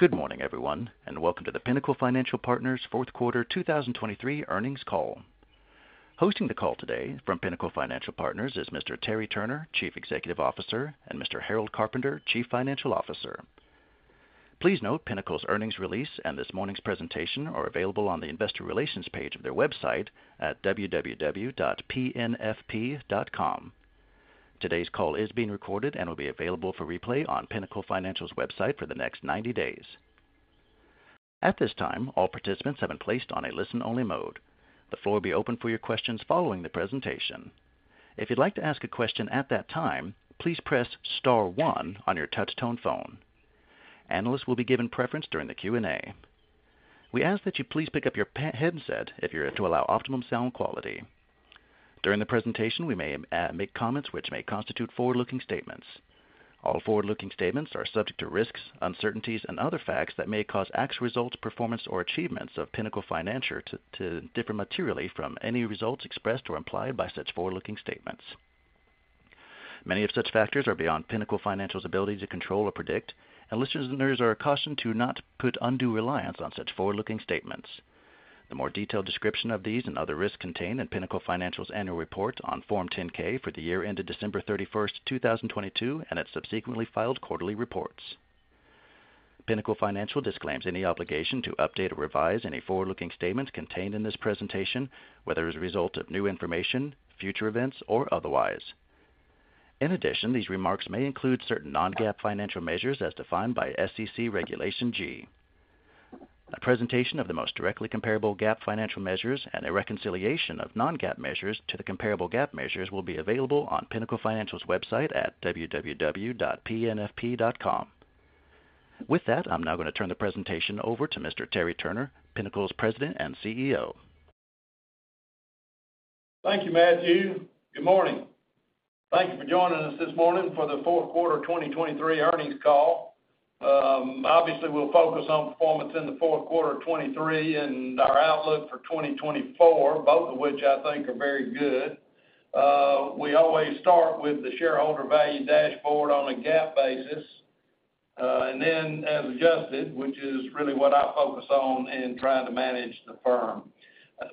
Good morning, everyone, and welcome to the Pinnacle Financial Partners fourth quarter 2023 earnings call. Hosting the call today from Pinnacle Financial Partners is Mr. Terry Turner, Chief Executive Officer, and Mr. Harold Carpenter, Chief Financial Officer. Please note Pinnacle's earnings release and this morning's presentation are available on the Investor Relations page of their website at www.pnfp.com. Today's call is being recorded and will be available for replay on Pinnacle Financial's website for the next 90 days. At this time, all participants have been placed on a listen-only mode. The floor will be open for your questions following the presentation. If you'd like to ask a question at that time, please press star one on your touch-tone phone. Analysts will be given preference during the Q&A. We ask that you please pick up your headset if you're to allow optimum sound quality. During the presentation, we may make comments which may constitute forward-looking statements. All forward-looking statements are subject to risks, uncertainties, and other facts that may cause actual results, performance, or achievements of Pinnacle Financial to differ materially from any results expressed or implied by such forward-looking statements. Many of such factors are beyond Pinnacle Financial's ability to control or predict, and listeners are cautioned to not put undue reliance on such forward-looking statements. The more detailed description of these and other risks contained in Pinnacle Financial's annual report on Form 10-K for the year ended December 31, 2022, and its subsequently filed quarterly reports. Pinnacle Financial disclaims any obligation to update or revise any forward-looking statements contained in this presentation, whether as a result of new information, future events, or otherwise. In addition, these remarks may include certain non-GAAP financial measures as defined by SEC Regulation G. A presentation of the most directly comparable GAAP financial measures and a reconciliation of non-GAAP measures to the comparable GAAP measures will be available on Pinnacle Financial's website at www.pnfp.com. With that, I'm now going to turn the presentation over to Mr. Terry Turner, Pinnacle's President and CEO. Thank you, Matthew. Good morning. Thank you for joining us this morning for the fourth quarter of 2023 earnings call. Obviously, we'll focus on performance in the fourth quarter of 2023 and our outlook for 2024, both of which I think are very good. We always start with the shareholder value dashboard on a GAAP basis, and then as adjusted, which is really what I focus on in trying to manage the firm.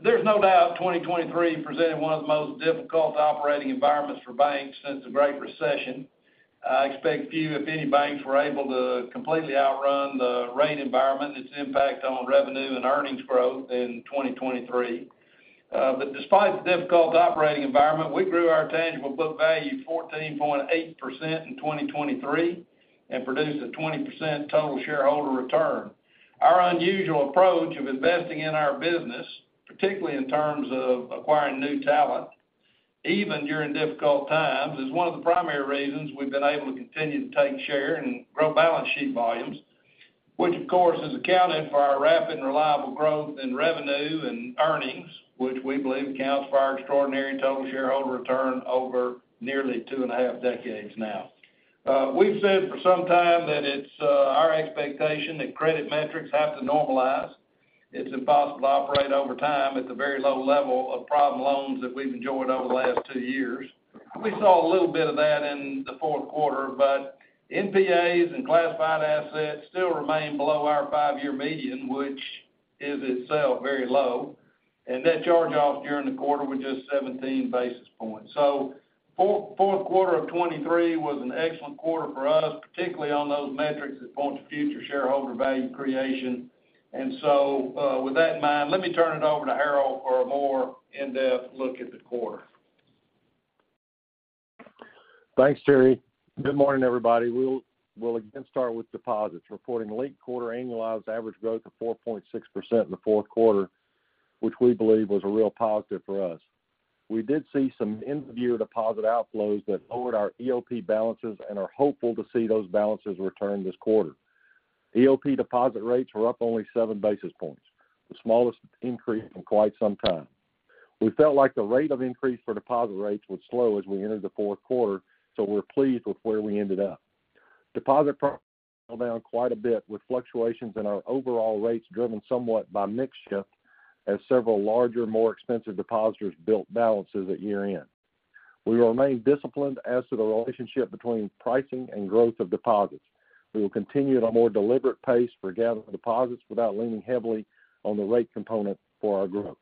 There's no doubt 2023 presented one of the most difficult operating environments for banks since the Great Recession. I expect few, if any, banks were able to completely outrun the rate environment and its impact on revenue and earnings growth in 2023. But despite the difficult operating environment, we grew our tangible book value 14.8% in 2023 and produced a 20% total shareholder return. Our unusual approach of investing in our business, particularly in terms of acquiring new talent, even during difficult times, is one of the primary reasons we've been able to continue to take share and grow balance sheet volumes. Which, of course, has accounted for our rapid and reliable growth in revenue and earnings, which we believe accounts for our extraordinary total shareholder return over nearly 2.5 decades now. We've said for some time that it's our expectation that credit metrics have to normalize. It's impossible to operate over time at the very low level of problem loans that we've enjoyed over the last 2 years. We saw a little bit of that in the fourth quarter, but NPAs and classified assets still remain below our 5-year median, which is itself very low, and net charge-offs during the quarter were just 17 basis points. So fourth quarter of 2023 was an excellent quarter for us, particularly on those metrics that point to future shareholder value creation. And so, with that in mind, let me turn it over to Harold for a more in-depth look at the quarter. Thanks, Terry. Good morning, everybody. We'll, we'll again start with deposits, reporting linked quarter annualized average growth of 4.6% in the fourth quarter, which we believe was a real positive for us. We did see some end-of-year deposit outflows that lowered our EOP balances and are hopeful to see those balances return this quarter. EOP deposit rates were up only 7 basis points, the smallest increase in quite some time. We felt like the rate of increase for deposit rates would slow as we entered the fourth quarter, so we're pleased with where we ended up. Deposit prices went down quite a bit, with fluctuations in our overall rates driven somewhat by mix shift, as several larger, more expensive depositors built balances at year-end. We will remain disciplined as to the relationship between pricing and growth of deposits. We will continue at a more deliberate pace for gathering deposits without leaning heavily on the rate component for our growth.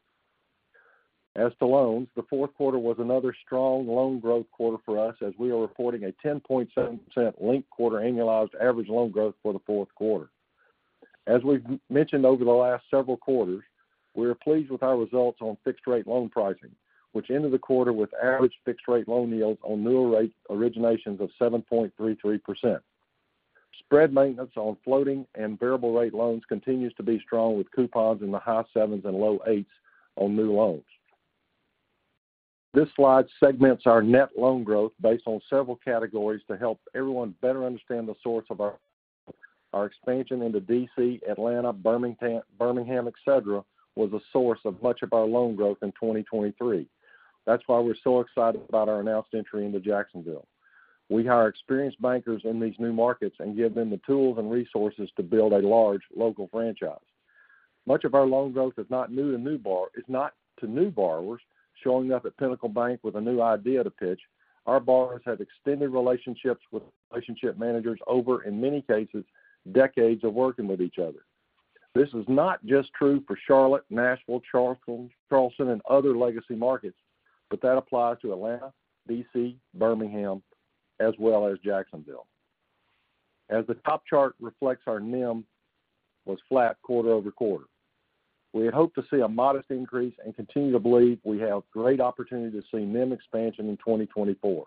As to loans, the fourth quarter was another strong loan growth quarter for us, as we are reporting a 10.7% linked quarter annualized average loan growth for the fourth quarter. As we've mentioned over the last several quarters, we are pleased with our results on fixed-rate loan pricing, which ended the quarter with average fixed-rate loan yields on new rate originations of 7.33%. Spread maintenance on floating and variable-rate loans continues to be strong, with coupons in the high sevens and low eights on new loans. This slide segments our net loan growth based on several categories to help everyone better understand the source of our growth. Our expansion into D.C., Atlanta, Birmingham, et cetera, was a source of much of our loan growth in 2023. That's why we're so excited about our announced entry into Jacksonville. We hire experienced bankers in these new markets and give them the tools and resources to build a large local franchise.... Much of our loan growth is not new to new borrowers showing up at Pinnacle Bank with a new idea to pitch. Our borrowers have extended relationships with relationship managers over, in many cases, decades of working with each other. This is not just true for Charlotte, Nashville, Charleston, and other legacy markets, but that applies to Atlanta, D.C., Birmingham, as well as Jacksonville. As the top chart reflects, our NIM was flat quarter-over-quarter. We had hoped to see a modest increase and continue to believe we have great opportunity to see NIM expansion in 2024.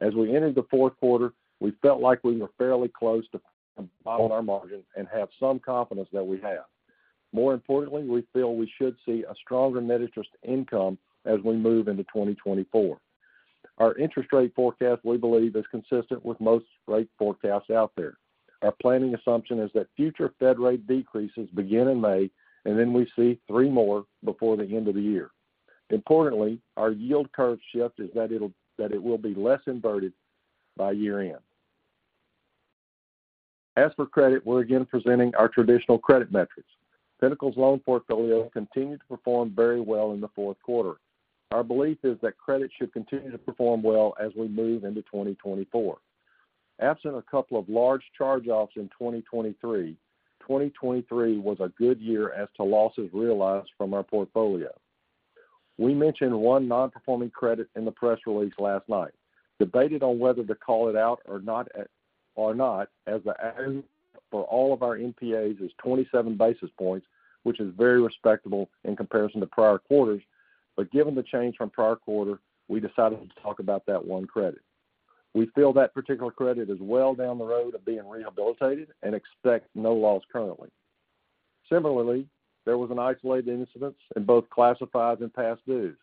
As we entered the fourth quarter, we felt like we were fairly close to bottom our margin and have some confidence that we have. More importantly, we feel we should see a stronger net interest income as we move into 2024. Our interest rate forecast, we believe, is consistent with most rate forecasts out there. Our planning assumption is that future Fed rate decreases begin in May, and then we see three more before the end of the year. Importantly, our yield curve shift is that it'll, that it will be less inverted by year-end. As for credit, we're again presenting our traditional credit metrics. Pinnacle's loan portfolio continued to perform very well in the fourth quarter. Our belief is that credit should continue to perform well as we move into 2024. Absent a couple of large charge-offs in 2023, 2023 was a good year as to losses realized from our portfolio. We mentioned one non-performing credit in the press release last night. Debated on whether to call it out or not, or not, as the average for all of our NPAs is 27 basis points, which is very respectable in comparison to prior quarters. But given the change from prior quarter, we decided to talk about that one credit. We feel that particular credit is well down the road of being rehabilitated and expect no loss currently. Similarly, there was an isolated incidence in both classifieds and past dues.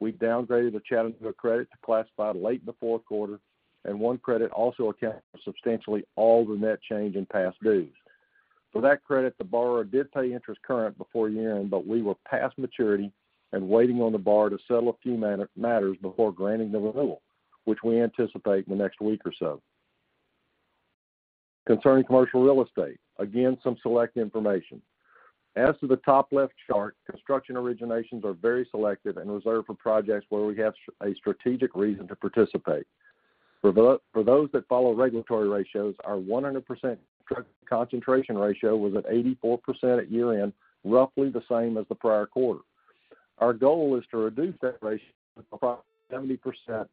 We downgraded the Chattanooga credit to classified late in the fourth quarter, and one credit also accounted for substantially all the net change in past dues. For that credit, the borrower did pay interest current before year-end, but we were past maturity and waiting on the borrower to settle a few matters before granting the renewal, which we anticipate in the next week or so. Concerning commercial real estate, again, some select information. As to the top left chart, construction originations are very selective and reserved for projects where we have a strategic reason to participate. For those that follow regulatory ratios, our 100% concentration ratio was at 84% at year-end, roughly the same as the prior quarter. Our goal is to reduce that ratio to about 70%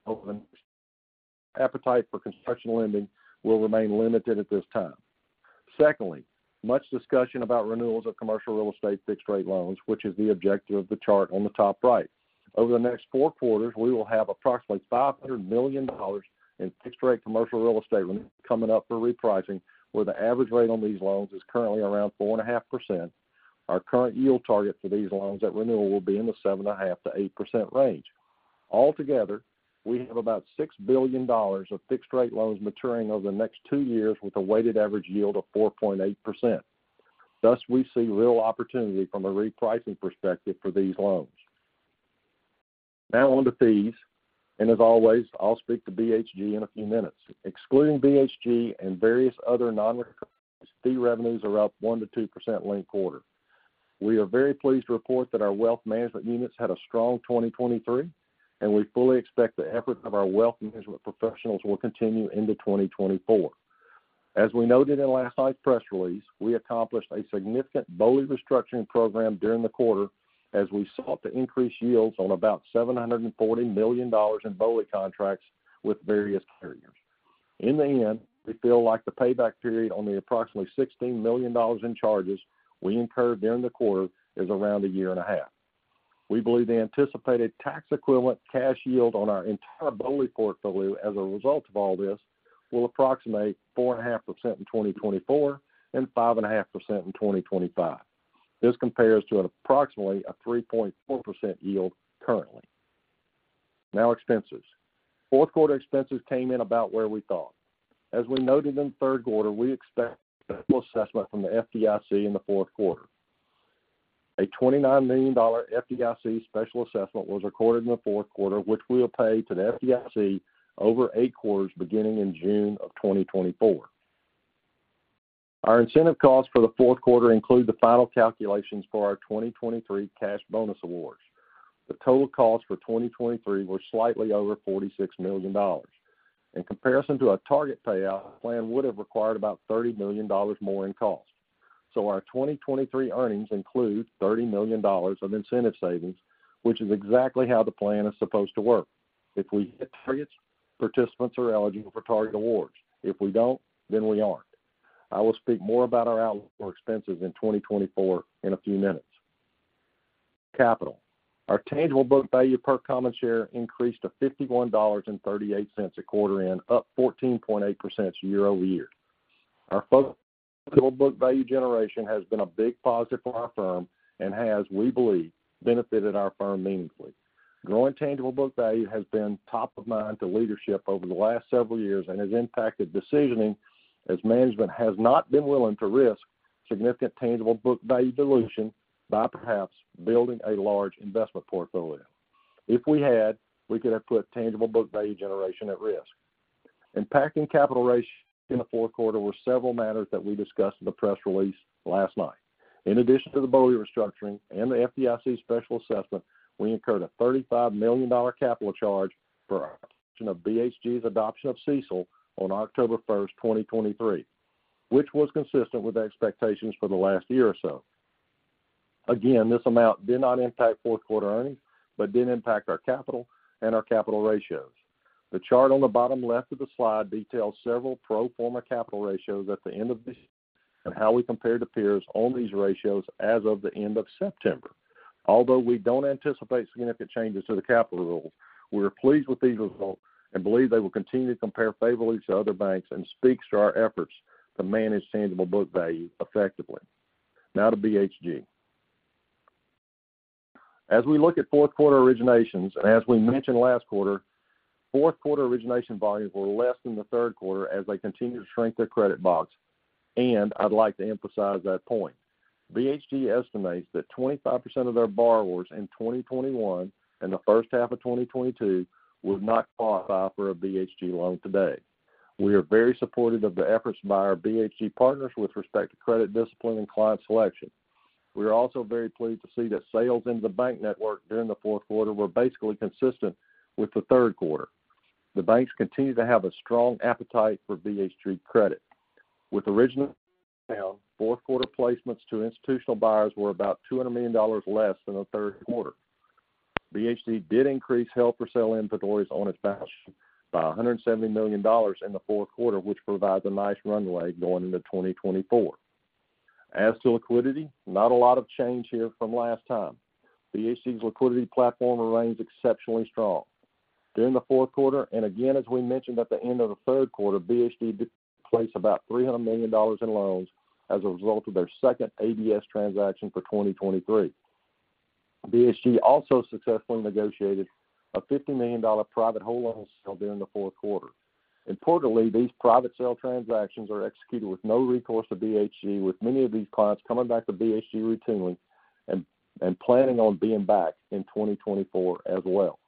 over the next year. Appetite for construction lending will remain limited at this time. Secondly, much discussion about renewals of commercial real estate fixed-rate loans, which is the objective of the chart on the top right. Over the next four quarters, we will have approximately $500 million in fixed-rate commercial real estate loans coming up for repricing, where the average rate on these loans is currently around 4.5%. Our current yield target for these loans at renewal will be in the 7.5%-8% range. Altogether, we have about $6 billion of fixed-rate loans maturing over the next two years with a weighted average yield of 4.8%. Thus, we see real opportunity from a repricing perspective for these loans. Now on to fees, and as always, I'll speak to BHG in a few minutes. Excluding BHG and various other non-recourse, fee revenues are up 1%-2% linked quarter. We are very pleased to report that our wealth management units had a strong 2023, and we fully expect the efforts of our wealth management professionals will continue into 2024. As we noted in last night's press release, we accomplished a significant BOLI restructuring program during the quarter as we sought to increase yields on about $740 million in BOLI contracts with various carriers. In the end, we feel like the payback period on the approximately $16 million in charges we incurred during the quarter is around a year and a half. We believe the anticipated tax equivalent cash yield on our entire BOLI portfolio as a result of all this, will approximate 4.5% in 2024 and 5.5% in 2025. This compares to approximately a 3.4% yield currently. Now expenses. Fourth quarter expenses came in about where we thought. As we noted in the third quarter, we expect a special assessment from the FDIC in the fourth quarter. A $29 million FDIC special assessment was recorded in the fourth quarter, which we will pay to the FDIC over eight quarters, beginning in June of 2024. Our incentive costs for the fourth quarter include the final calculations for our 2023 cash bonus awards. The total costs for 2023 were slightly over $46 million. In comparison to our target payout, plan would have required about $30 million more in costs. So our 2023 earnings include $30 million of incentive savings, which is exactly how the plan is supposed to work. If we hit targets, participants are eligible for target awards. If we don't, then we aren't. I will speak more about our outlook for expenses in 2024 in a few minutes. Capital. Our tangible book value per common share increased to $51.38 at quarter end, up 14.8% year-over-year. Our focus on tangible book value generation has been a big positive for our firm and has, we believe, benefited our firm meaningfully. Growing tangible book value has been top of mind to leadership over the last several years and has impacted decisioning, as management has not been willing to risk significant tangible book value dilution by perhaps building a large investment portfolio. If we had, we could have put tangible book value generation at risk.... Impacting capital ratio in the fourth quarter were several matters that we discussed in the press release last night. In addition to the BOLI restructuring and the FDIC special assessment, we incurred a $35 million capital charge for our 30% share of BHG's adoption of CECL on October 1, 2023, which was consistent with the expectations for the last year or so. Again, this amount did not impact fourth quarter earnings, but did impact our capital and our capital ratios. The chart on the bottom left of the slide details several pro forma capital ratios at the end of this, and how we compare to peers on these ratios as of the end of September. Although we don't anticipate significant changes to the capital rules, we are pleased with these results and believe they will continue to compare favorably to other banks, and speaks to our efforts to manage tangible book value effectively. Now to BHG. As we look at fourth quarter originations, and as we mentioned last quarter, fourth quarter origination volumes were less than the third quarter as they continued to shrink their credit box, and I'd like to emphasize that point. BHG estimates that 25% of their borrowers in 2021 and the first half of 2022 would not qualify for a BHG loan today. We are very supportive of the efforts by our BHG partners with respect to credit, discipline, and client selection. We are also very pleased to see that sales in the bank network during the fourth quarter were basically consistent with the third quarter. The banks continue to have a strong appetite for BHG credit. With original fourth quarter placements to institutional buyers were about $200 million less than the third quarter. BHG did increase held for sale inventories on its balance by $170 million in the fourth quarter, which provides a nice runway going into 2024. As to liquidity, not a lot of change here from last time. BHG's liquidity platform remains exceptionally strong. During the fourth quarter, and again, as we mentioned at the end of the third quarter, BHG placed about $300 million in loans as a result of their second ABS transaction for 2023. BHG also successfully negotiated a $50 million private whole loan sale during the fourth quarter. Importantly, these private sale transactions are executed with no recourse to BHG, with many of these clients coming back to BHG routinely and planning on being back in 2024 as well.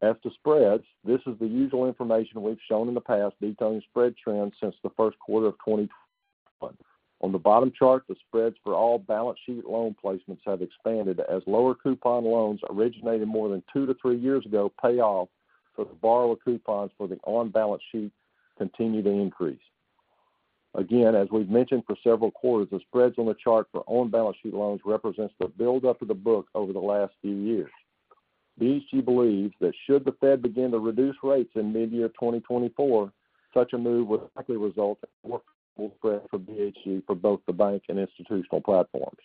As to spreads, this is the usual information we've shown in the past, detailing spread trends since the first quarter of 2021. On the bottom chart, the spreads for all balance sheet loan placements have expanded as lower coupon loans originated more than 2-3 years ago pay off, so the borrower coupons for the on-balance sheet continue to increase. Again, as we've mentioned for several quarters, the spreads on the chart for on-balance sheet loans represents the buildup of the book over the last few years. BHG believes that should the Fed begin to reduce rates in mid-year 2024, such a move would likely result in more spread for BHG for both the bank and institutional platforms.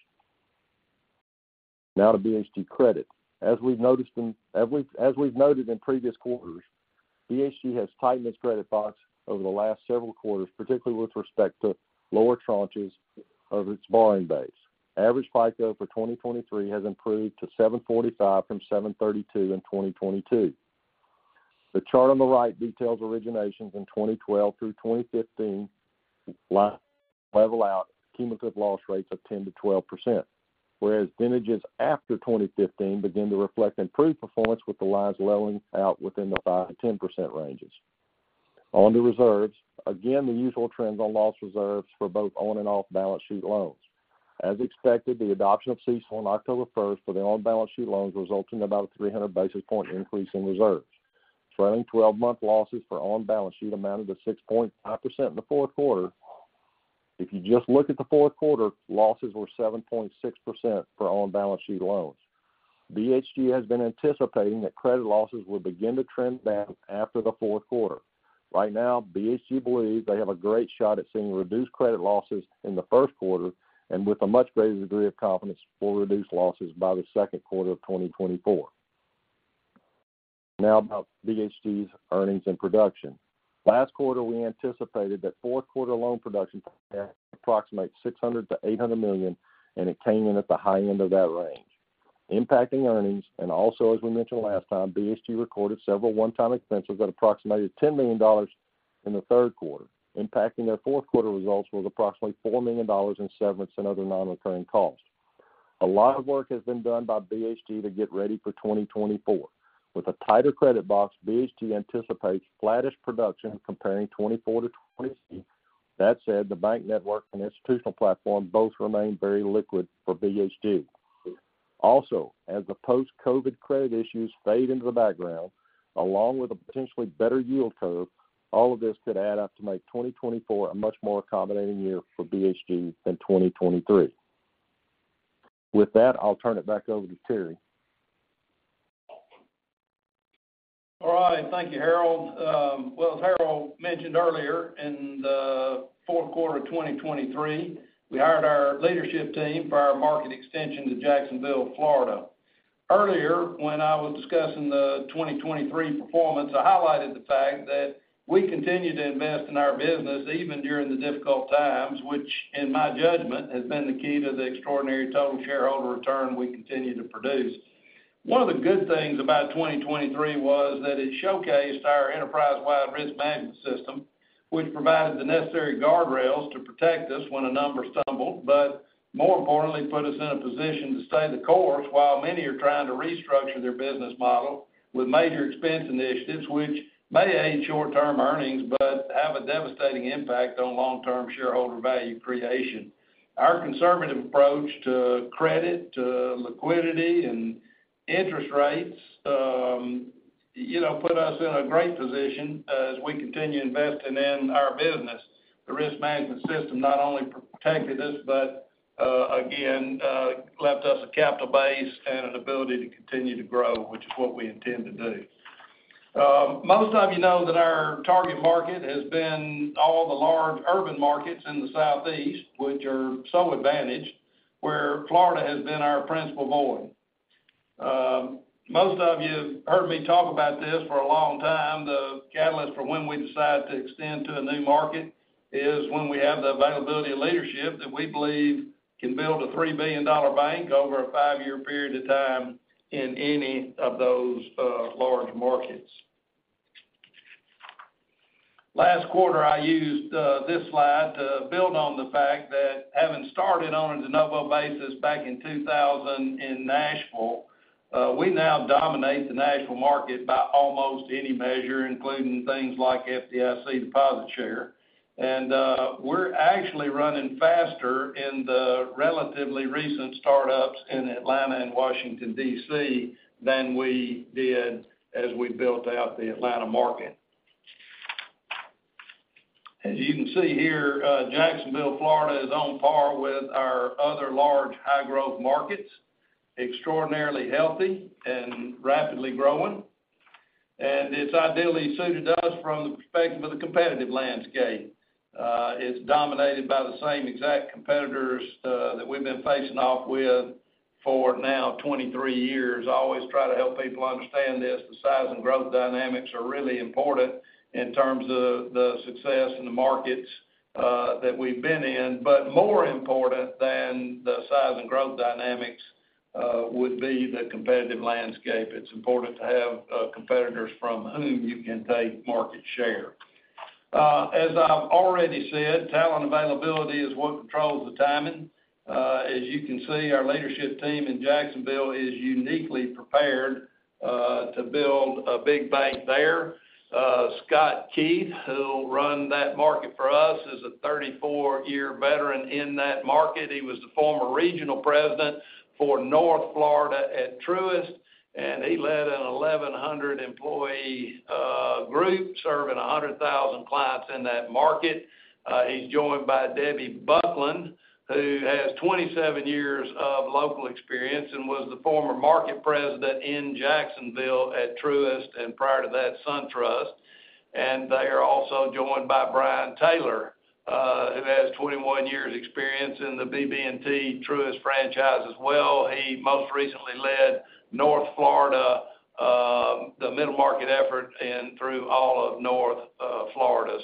Now to BHG Credit. As we've noted in previous quarters, BHG has tightened its credit box over the last several quarters, particularly with respect to lower tranches of its borrowing base. Average FICO for 2023 has improved to 745 from 732 in 2022. The chart on the right details originations in 2012 through 2015 level out cumulative loss rates of 10%-12%, whereas vintages after 2015 begin to reflect improved performance, with the lines leveling out within the 5%-10% ranges. On the reserves, again, the usual trends on loss reserves for both on and off-balance sheet loans. As expected, the adoption of CECL on October 1 for the on-balance sheet loans results in about a 300 basis point increase in reserves. Trailing twelve-month losses for on-balance sheet amounted to 6.5% in the fourth quarter. If you just look at the fourth quarter, losses were 7.6% for on-balance sheet loans. BHG has been anticipating that credit losses will begin to trend down after the fourth quarter. Right now, BHG believes they have a great shot at seeing reduced credit losses in the first quarter, and with a much greater degree of confidence, will reduce losses by the second quarter of 2024. Now, about BHG's earnings and production. Last quarter, we anticipated that fourth quarter loan production to approximate $600 million-$800 million, and it came in at the high end of that range. Impacting earnings, and also, as we mentioned last time, BHG recorded several one-time expenses that approximated $10 million in the third quarter. Impacting their fourth quarter results was approximately $4 million in severance and other non-recurring costs. A lot of work has been done by BHG to get ready for 2024. With a tighter credit box, BHG anticipates flattish production comparing 2024 to 2023. That said, the bank network and institutional platform both remain very liquid for BHG. Also, as the post-COVID credit issues fade into the background, along with a potentially better yield curve, all of this could add up to make 2024 a much more accommodating year for BHG than 2023. With that, I'll turn it back over to Terry. All right. Thank you, Harold. Well, as Harold mentioned earlier, in the fourth quarter of 2023, we hired our leadership team for our market extension to Jacksonville, Florida. Earlier, when I was discussing the 2023 performance, I highlighted the fact that we continued to invest in our business even during the difficult times, which in my judgment, has been the key to the extraordinary total shareholder return we continue to produce. One of the good things about 2023 was that it showcased our enterprise-wide risk management, which provided the necessary guardrails to protect us when a number stumbled, but more importantly, put us in a position to stay the course while many are trying to restructure their business model with major expense initiatives, which may aid short-term earnings, but have a devastating impact on long-term shareholder value creation. Our conservative approach to credit, to liquidity, and interest rates, you know, put us in a great position as we continue investing in our business. The risk management system not only protected us, but, again, left us a capital base and an ability to continue to grow, which is what we intend to do. Most of you know that our target market has been all the large urban markets in the Southeast, which are so advantaged, where Florida has been our principal void. Most of you have heard me talk about this for a long time. The catalyst for when we decide to extend to a new market is when we have the availability of leadership that we believe can build a 3 billion dollar bank over a 5-year period of time in any of those large markets. Last quarter, I used this slide to build on the fact that having started on a de novo basis back in 2000 in Nashville, we now dominate the national market by almost any measure, including things like FDIC deposit share. We're actually running faster in the relatively recent startups in Atlanta and Washington, D.C., than we did as we built out the Atlanta market. As you can see here, Jacksonville, Florida, is on par with our other large, high-growth markets, extraordinarily healthy and rapidly growing, and it's ideally suited to us from the perspective of the competitive landscape. It's dominated by the same exact competitors that we've been facing off with for now 23 years. I always try to help people understand this. The size and growth dynamics are really important in terms of the success in the markets that we've been in. But more important than the size and growth dynamics would be the competitive landscape. It's important to have competitors from whom you can take market share. As I've already said, talent availability is what controls the timing. As you can see, our leadership team in Jacksonville is uniquely prepared to build a big bank there. Scott Keith, who'll run that market for us, is a 34-year veteran in that market. He was the former regional president for North Florida at Truist, and he led a 1,100-employee group serving 100,000 clients in that market. He's joined by Debbie Buckland, who has 27 years of local experience and was the former market president in Jacksonville at Truist, and prior to that, SunTrust. They are also joined by Bryan Taylor, who has 21 years experience in the BB&T Truist franchise as well. He most recently led North Florida, the middle market effort in through all of North, Florida.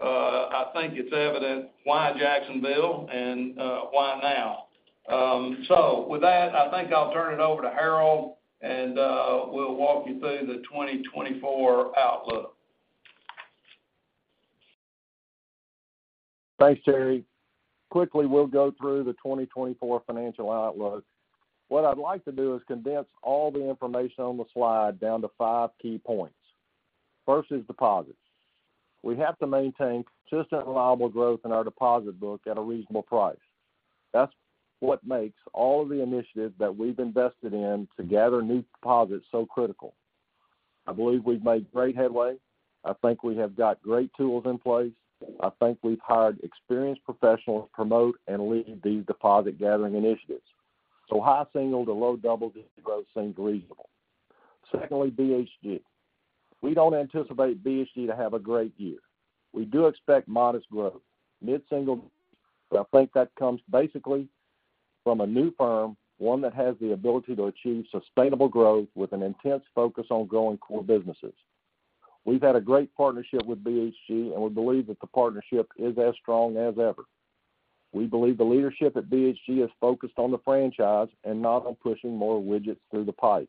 I think it's evident why Jacksonville and, why now. With that, I think I'll turn it over to Harold, and, we'll walk you through the 2024 outlook. Thanks, Terry. Quickly, we'll go through the 2024 financial outlook. What I'd like to do is condense all the information on the slide down to 5 key points. First is deposits. We have to maintain consistent, reliable growth in our deposit book at a reasonable price. That's what makes all of the initiatives that we've invested in to gather new deposits so critical. I believe we've made great headway. I think we have got great tools in place. I think we've hired experienced professionals to promote and lead these deposit-gathering initiatives. So high single to low double-digit growth seems reasonable. Secondly, BHG. We don't anticipate BHG to have a great year. We do expect modest growth, mid-single. But I think that comes basically from a new firm, one that has the ability to achieve sustainable growth with an intense focus on growing core businesses. We've had a great partnership with BHG, and we believe that the partnership is as strong as ever. We believe the leadership at BHG is focused on the franchise and not on pushing more widgets through the pipe.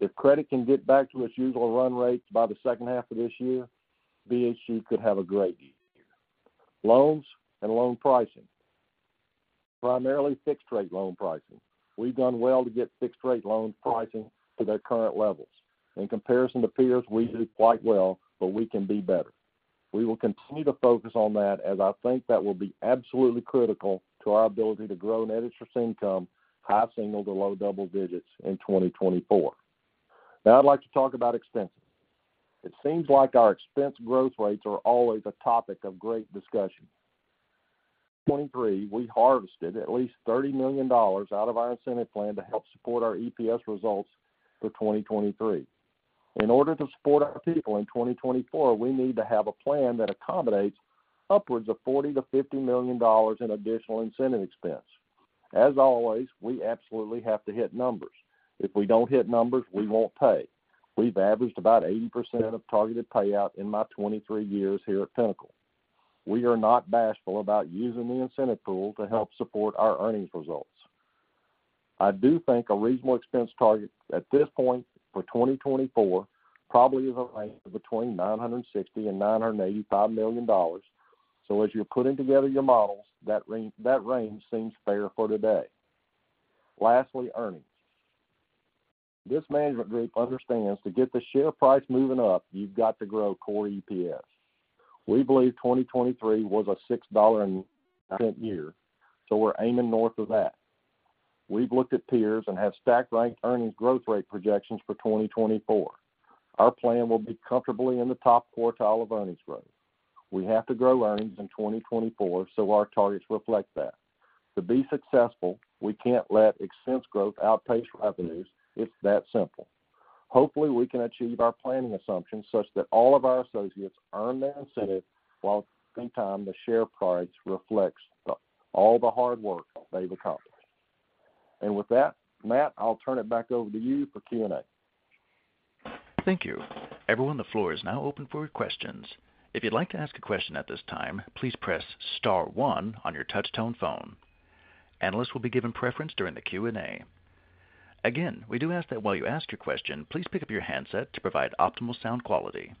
If credit can get back to its usual run rates by the second half of this year, BHG could have a great year. Loans and loan pricing, primarily fixed-rate loan pricing. We've done well to get fixed-rate loan pricing to their current levels. In comparison to peers, we did quite well, but we can do better. We will continue to focus on that, as I think that will be absolutely critical to our ability to grow net interest income high single- to low double-digits in 2024. Now I'd like to talk about expenses. It seems like our expense growth rates are always a topic of great discussion. 2023, we harvested at least $30 million out of our incentive plan to help support our EPS results for 2023. In order to support our people in 2024, we need to have a plan that accommodates upwards of $40 million-$50 million in additional incentive expense. As always, we absolutely have to hit numbers. If we don't hit numbers, we won't pay. We've averaged about 80% of targeted payout in my 23 years here at Pinnacle. We are not bashful about using the incentive pool to help support our earnings results.... I do think a reasonable expense target at this point for 2024 probably is a range of between $960 million and $985 million. So as you're putting together your models, that range, that range seems fair for today. Lastly, earnings. This management group understands to get the share price moving up, you've got to grow core EPS. We believe 2023 was a $6.00 year, so we're aiming north of that. We've looked at peers and have stacked ranked earnings growth rate projections for 2024. Our plan will be comfortably in the top quartile of earnings growth. We have to grow earnings in 2024, so our targets reflect that. To be successful, we can't let expense growth outpace revenues. It's that simple. Hopefully, we can achieve our planning assumptions such that all of our associates earn their incentive, while sometime the share price reflects the, all the hard work they've accomplished. And with that, Matt, I'll turn it back over to you for Q&A. Thank you. Everyone, the floor is now open for questions. If you'd like to ask a question at this time, please press star one on your touch tone phone. Analysts will be given preference during the Q&A. Again, we do ask that while you ask your question, please pick up your handset to provide optimal sound quality.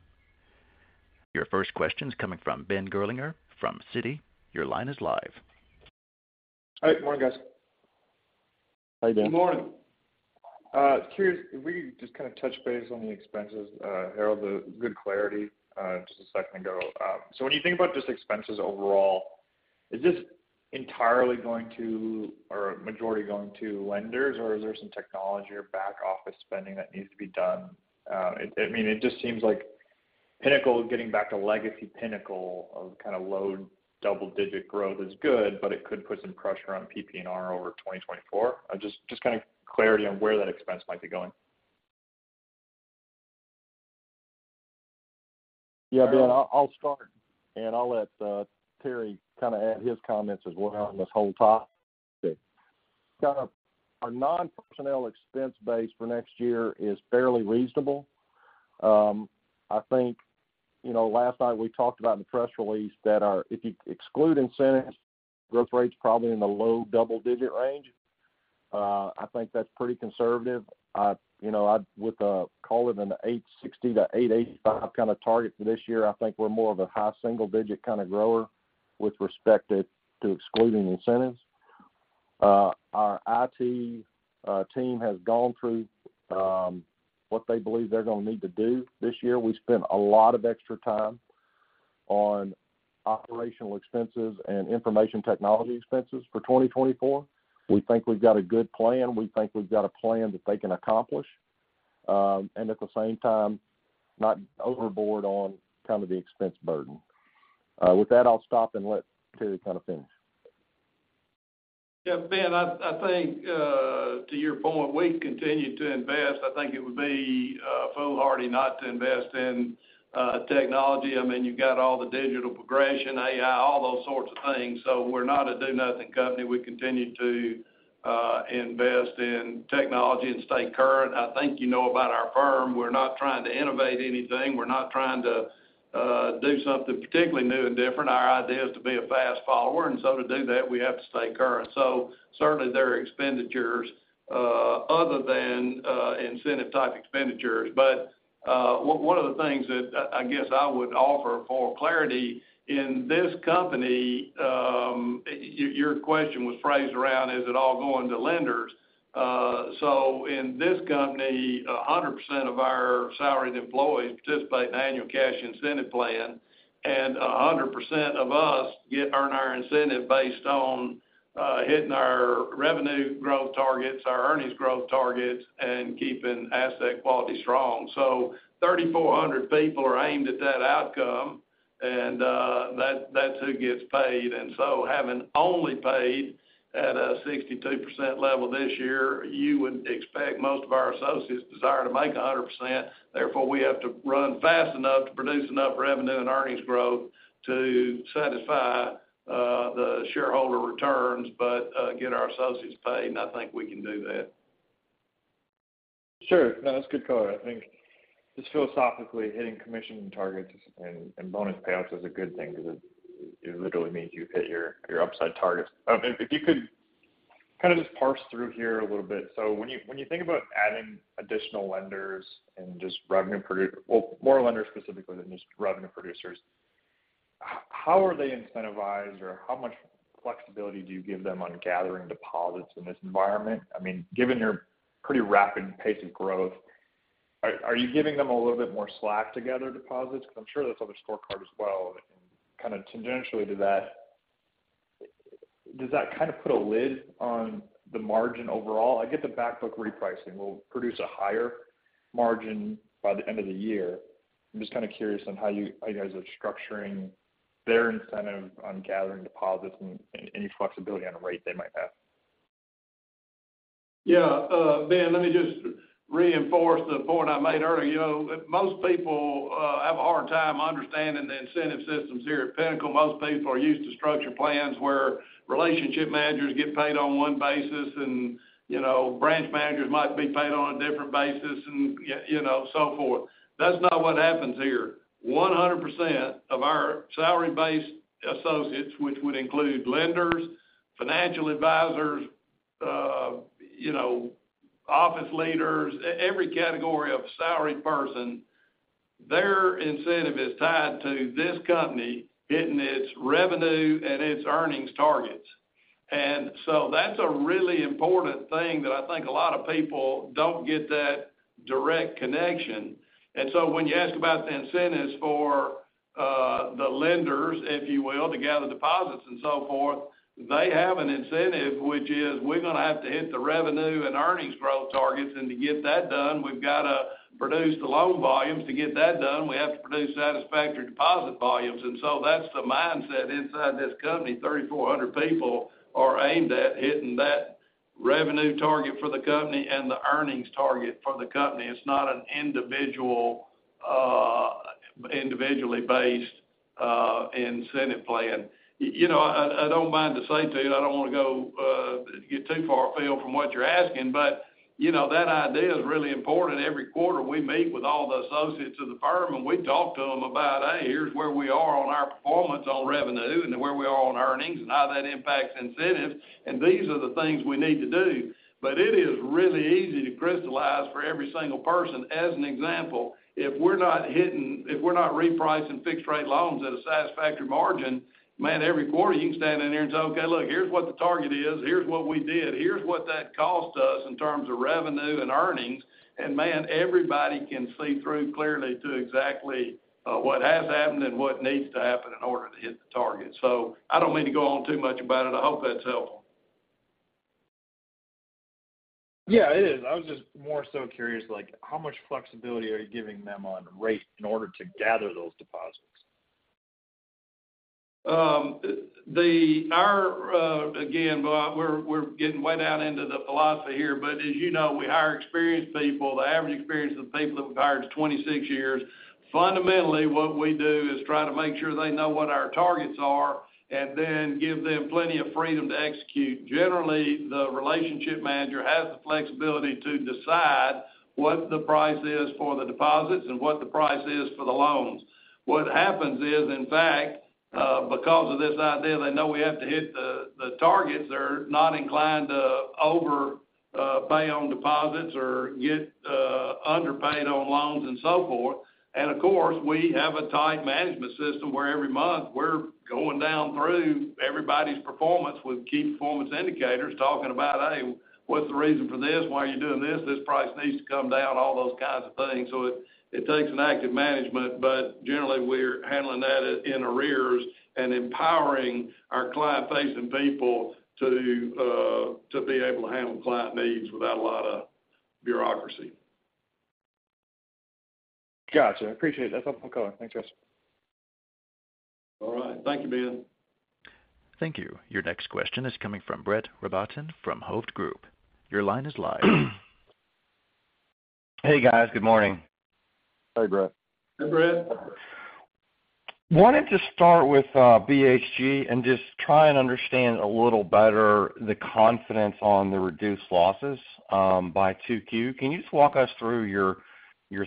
Your first question is coming from Ben Gerlinger from Citi. Your line is live. Hi, good morning, guys. Hi, Ben. Good morning. Curious, if we just kind of touch base on the expenses, Harold, the good clarity just a second ago. So when you think about just expenses overall, is this entirely going to, or majority going to lenders, or is there some technology or back-office spending that needs to be done? I mean, it just seems like Pinnacle is getting back to legacy Pinnacle of kind of low double-digit growth is good, but it could put some pressure on PPNR over 2024. Just, just kind of clarity on where that expense might be going. Yeah, Ben, I'll start, and I'll let Terry kind of add his comments as well on this whole topic. Our non-personnel expense base for next year is fairly reasonable. I think, you know, last night we talked about in the press release that our-- if you exclude incentives, growth rate's probably in the low double-digit range. I think that's pretty conservative. I, you know, I'd would call it an 8.60-8.85 kind of target for this year. I think we're more of a high single-digit kind of grower with respect to, to excluding incentives. Our IT team has gone through what they believe they're going to need to do this year. We spent a lot of extra time on operational expenses and information technology expenses for 2024. We think we've got a good plan. We think we've got a plan that they can accomplish, and at the same time, not overboard on kind of the expense burden. With that, I'll stop and let Terry kind of finish. Yeah, Ben, I think to your point, we've continued to invest. I think it would be foolhardy not to invest in technology. I mean, you've got all the digital progression, AI, all those sorts of things. So we're not a do-nothing company. We continue to invest in technology and stay current. I think you know about our firm. We're not trying to innovate anything. We're not trying to do something particularly new and different. Our idea is to be a fast follower, and so to do that, we have to stay current. So certainly, there are expenditures other than incentive-type expenditures. But one of the things that I guess I would offer for clarity in this company, your question was phrased around, is it all going to lenders? So in this company, 100% of our salaried employees participate in annual cash incentive plan, and 100% of us earn our incentive based on hitting our revenue growth targets, our earnings growth targets, and keeping asset quality strong. So 3,400 people are aimed at that outcome, and that's who gets paid. And so having only paid at a 62% level this year, you would expect most of our associates desire to make 100%. Therefore, we have to run fast enough to produce enough revenue and earnings growth to satisfy the shareholder returns, but get our associates paid, and I think we can do that. Sure. No, that's a good color. I think just philosophically, hitting commission targets and bonus payouts is a good thing because it literally means you hit your upside targets. If you could kind of just parse through here a little bit. So when you think about adding additional lenders and just revenue producers, well, more lenders specifically than just revenue producers, how are they incentivized, or how much flexibility do you give them on gathering deposits in this environment? I mean, given your pretty rapid pace of growth, are you giving them a little bit more slack to gather deposits? Because I'm sure that's on their scorecard as well. And kind of tangentially to that, does that kind of put a lid on the margin overall? I get the back book repricing will produce a higher margin by the end of the year. I'm just kind of curious on how you guys are structuring their incentive on gathering deposits and any flexibility on the rate they might have. Yeah, Ben, let me just reinforce the point I made earlier. You know, most people have a hard time understanding the incentive systems here at Pinnacle. Most people are used to structure plans where relationship managers get paid on one basis, and, you know, branch managers might be paid on a different basis and, you know, so forth. That's not what happens here. 100% of our salary-based associates, which would include lenders, financial advisors, you know, office leaders, every category of salaried person. Their incentive is tied to this company hitting its revenue and its earnings targets. And so that's a really important thing that I think a lot of people don't get that direct connection. And so when you ask about the incentives for the lenders, if you will, to gather deposits and so forth, they have an incentive, which is we're going to have to hit the revenue and earnings growth targets. And to get that done, we've got to produce the loan volumes. To get that done, we have to produce satisfactory deposit volumes. And so that's the mindset inside this company. 3,400 people are aimed at hitting that revenue target for the company and the earnings target for the company. It's not an individual individually based incentive plan. You know, I don't mind to say to you, I don't want to go get too far afield from what you're asking, but you know, that idea is really important. Every quarter, we meet with all the associates of the firm, and we talk to them about, "Hey, here's where we are on our performance on revenue and where we are on earnings and how that impacts incentives, and these are the things we need to do." But it is really easy to crystallize for every single person. As an example, if we're not repricing fixed-rate loans at a satisfactory margin, man, every quarter, you can stand in there and say, "Okay, look, here's what the target is. Here's what we did. Here's what that cost us in terms of revenue and earnings." And man, everybody can see through clearly to exactly what has happened and what needs to happen in order to hit the target. So I don't mean to go on too much about it. I hope that's helpful. Yeah, it is. I was just more so curious, like, how much flexibility are you giving them on rate in order to gather those deposits? Again, well, we're getting way down into the philosophy here, but as you know, we hire experienced people. The average experience of the people that we've hired is 26 years. Fundamentally, what we do is try to make sure they know what our targets are and then give them plenty of freedom to execute. Generally, the relationship manager has the flexibility to decide what the price is for the deposits and what the price is for the loans. What happens is, in fact, because of this idea, they know we have to hit the targets. They're not inclined to overpay on deposits or get underpaid on loans and so forth. And of course, we have a tight management system, where every month, we're going down through everybody's performance with key performance indicators, talking about, "Hey, what's the reason for this? Why are you doing this? This price needs to come down," all those kinds of things. So it takes an active management, but generally, we're handling that in arrears and empowering our client-facing people to, to be able to handle client needs without a lot of bureaucracy. Gotcha. I appreciate that. That's helpful color. Thanks, guys. All right. Thank you, Ben. Thank you. Your next question is coming from Brett Rabatin from Hovde Group. Your line is live. Hey, guys. Good morning. Hey, Brett. Hey, Brett. Wanted to start with BHG and just try and understand a little better the confidence on the reduced losses by 2Q. Can you just walk us through your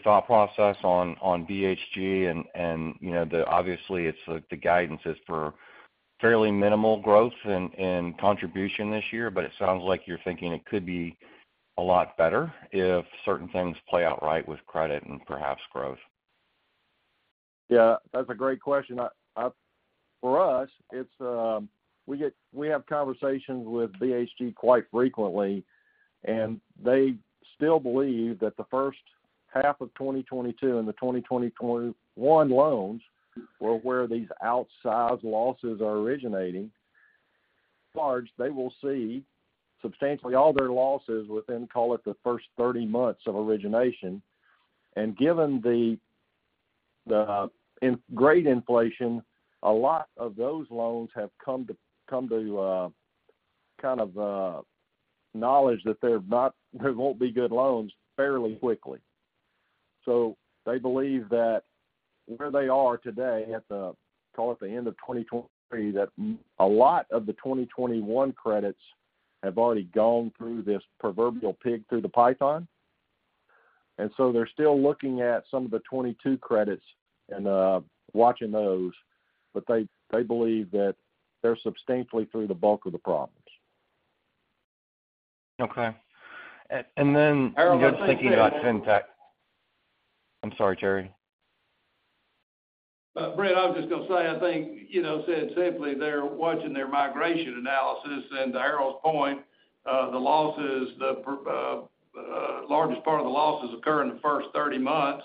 thought process on BHG? And you know, obviously, the guidance is for fairly minimal growth and contribution this year, but it sounds like you're thinking it could be a lot better if certain things play out right with credit and perhaps growth. Yeah, that's a great question. For us, it's we have conversations with BHG quite frequently, and they still believe that the first half of 2022 and the 2021 loans were where these outsized losses are originating. Large, they will see substantially all their losses within, call it, the first 30 months of origination. And given the grade inflation, a lot of those loans have come to kind of knowledge that they're not they won't be good loans fairly quickly. So they believe that where they are today, at the, call it, the end of 2023, that a lot of the 2021 credits have already gone through this proverbial pig through the python. And so they're still looking at some of the 22 credits and, watching those, but they, they believe that they're substantially through the bulk of the problems. Okay. And, and then just thinking about fintech—I'm sorry, Terry. Brett, I was just going to say, I think, you know, said simply, they're watching their migration analysis. And to Harold's point, the losses, the largest part of the losses occur in the first 30 months.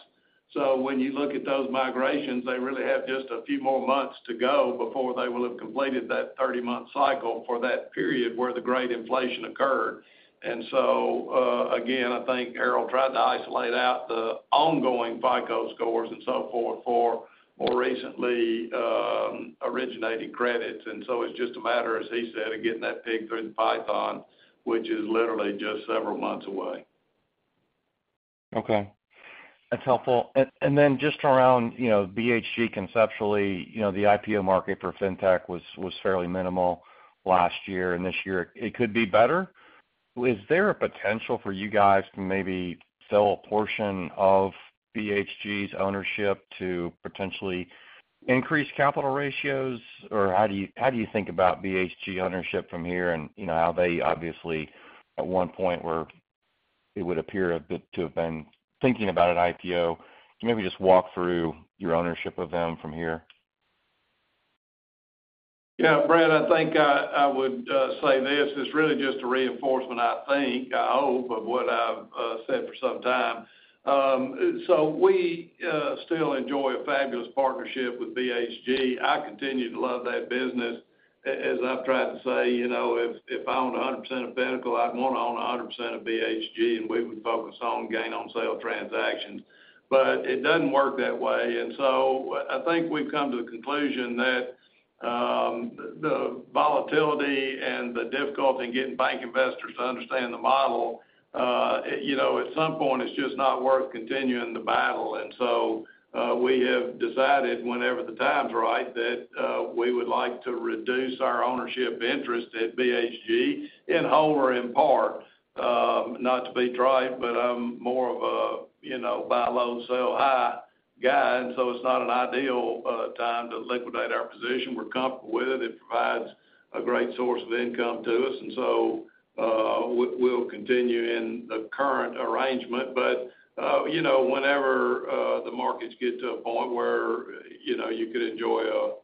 So when you look at those migrations, they really have just a few more months to go before they will have completed that 30-month cycle for that period where the great inflation occurred. And so, again, I think Harold tried to isolate out the ongoing FICO scores and so forth for more recently originating credits. And so it's just a matter, as he said, of getting that pig through the python, which is literally just several months away. Okay. That's helpful. And then just around, you know, BHG conceptually, you know, the IPO market for Fintech was fairly minimal last year, and this year it could be better. Is there a potential for you guys to maybe sell a portion of BHG's ownership to potentially increase capital ratios? Or how do you think about BHG ownership from here, and you know, how they obviously - at one point, where it would appear a bit to have been thinking about an IPO. Can you maybe just walk through your ownership of them from here? Yeah, Brad, I think, I would say this: It's really just a reinforcement, I think, I hope, of what I've said for some time. So we still enjoy a fabulous partnership with BHG. I continue to love that business. As I've tried to say, you know, if I owned 100% of Pinnacle, I'd want to own 100% of BHG, and we would focus on gain on sale transactions, but it doesn't work that way. And so I think we've come to the conclusion that the volatility and the difficulty in getting bank investors to understand the model, you know, at some point it's just not worth continuing the battle. And so we have decided, whenever the time's right, that we would like to reduce our ownership interest at BHG in whole or in part. Not to be trite, but I'm more of a, you know, buy low, sell high guy, and so it's not an ideal time to liquidate our position. We're comfortable with it. It provides a great source of income to us, and so we'll continue in the current arrangement. But, you know, whenever the markets get to a point where, you know, you could enjoy a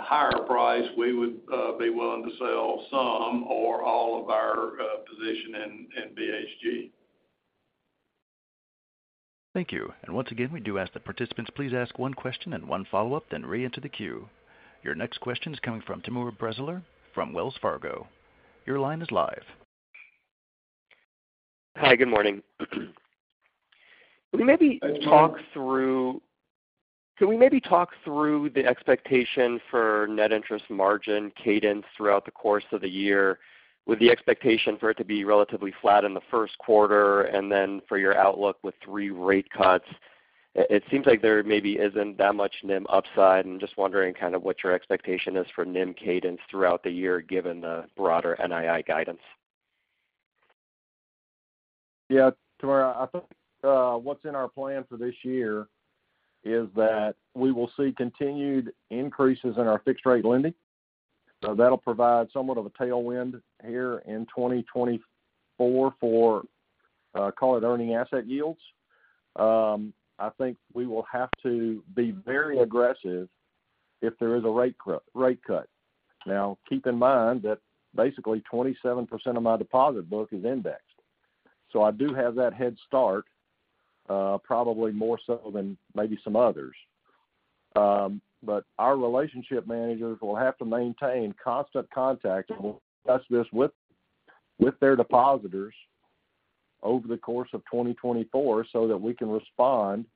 higher price, we would be willing to sell some or all of our position in BHG. Thank you. Once again, we do ask that participants please ask one question and one follow-up, then reenter the queue. Your next question is coming from Timur Braziler from Wells Fargo. Your line is live. Hi, good morning. Can we maybe talk through the expectation for net interest margin cadence throughout the course of the year, with the expectation for it to be relatively flat in the first quarter, and then for your outlook with three rate cuts? It seems like there maybe isn't that much NIM upside. I'm just wondering kind of what your expectation is for NIM cadence throughout the year, given the broader NII guidance. Yeah, Timur, I think what's in our plan for this year is that we will see continued increases in our fixed rate lending. So that'll provide somewhat of a tailwind here in 2024 for call it earning asset yields. I think we will have to be very aggressive if there is a rate cut. Now, keep in mind that basically 27% of my deposit book is indexed, so I do have that head start, probably more so than maybe some others. But our relationship managers will have to maintain constant contact, and we'll discuss this with their depositors over the course of 2024, so that we can respond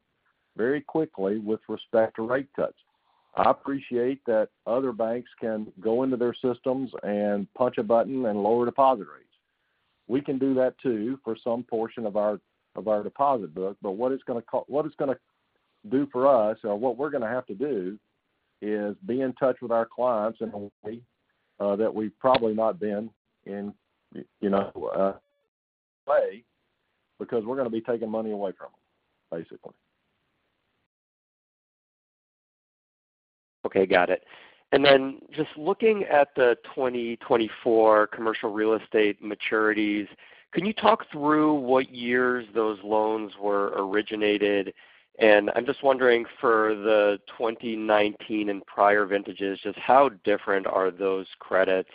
very quickly with respect to rate cuts. I appreciate that other banks can go into their systems and punch a button and lower deposit rates. We can do that, too, for some portion of our, of our deposit book, but what it's gonna what it's gonna do for us, or what we're gonna have to do, is be in touch with our clients and that we've probably not been in, you know, way, because we're gonna be taking money away from them, basically. Okay, got it. Then just looking at the 2024 commercial real estate maturities, can you talk through what years those loans were originated? And I'm just wondering, for the 2019 and prior vintages, just how different are those credits,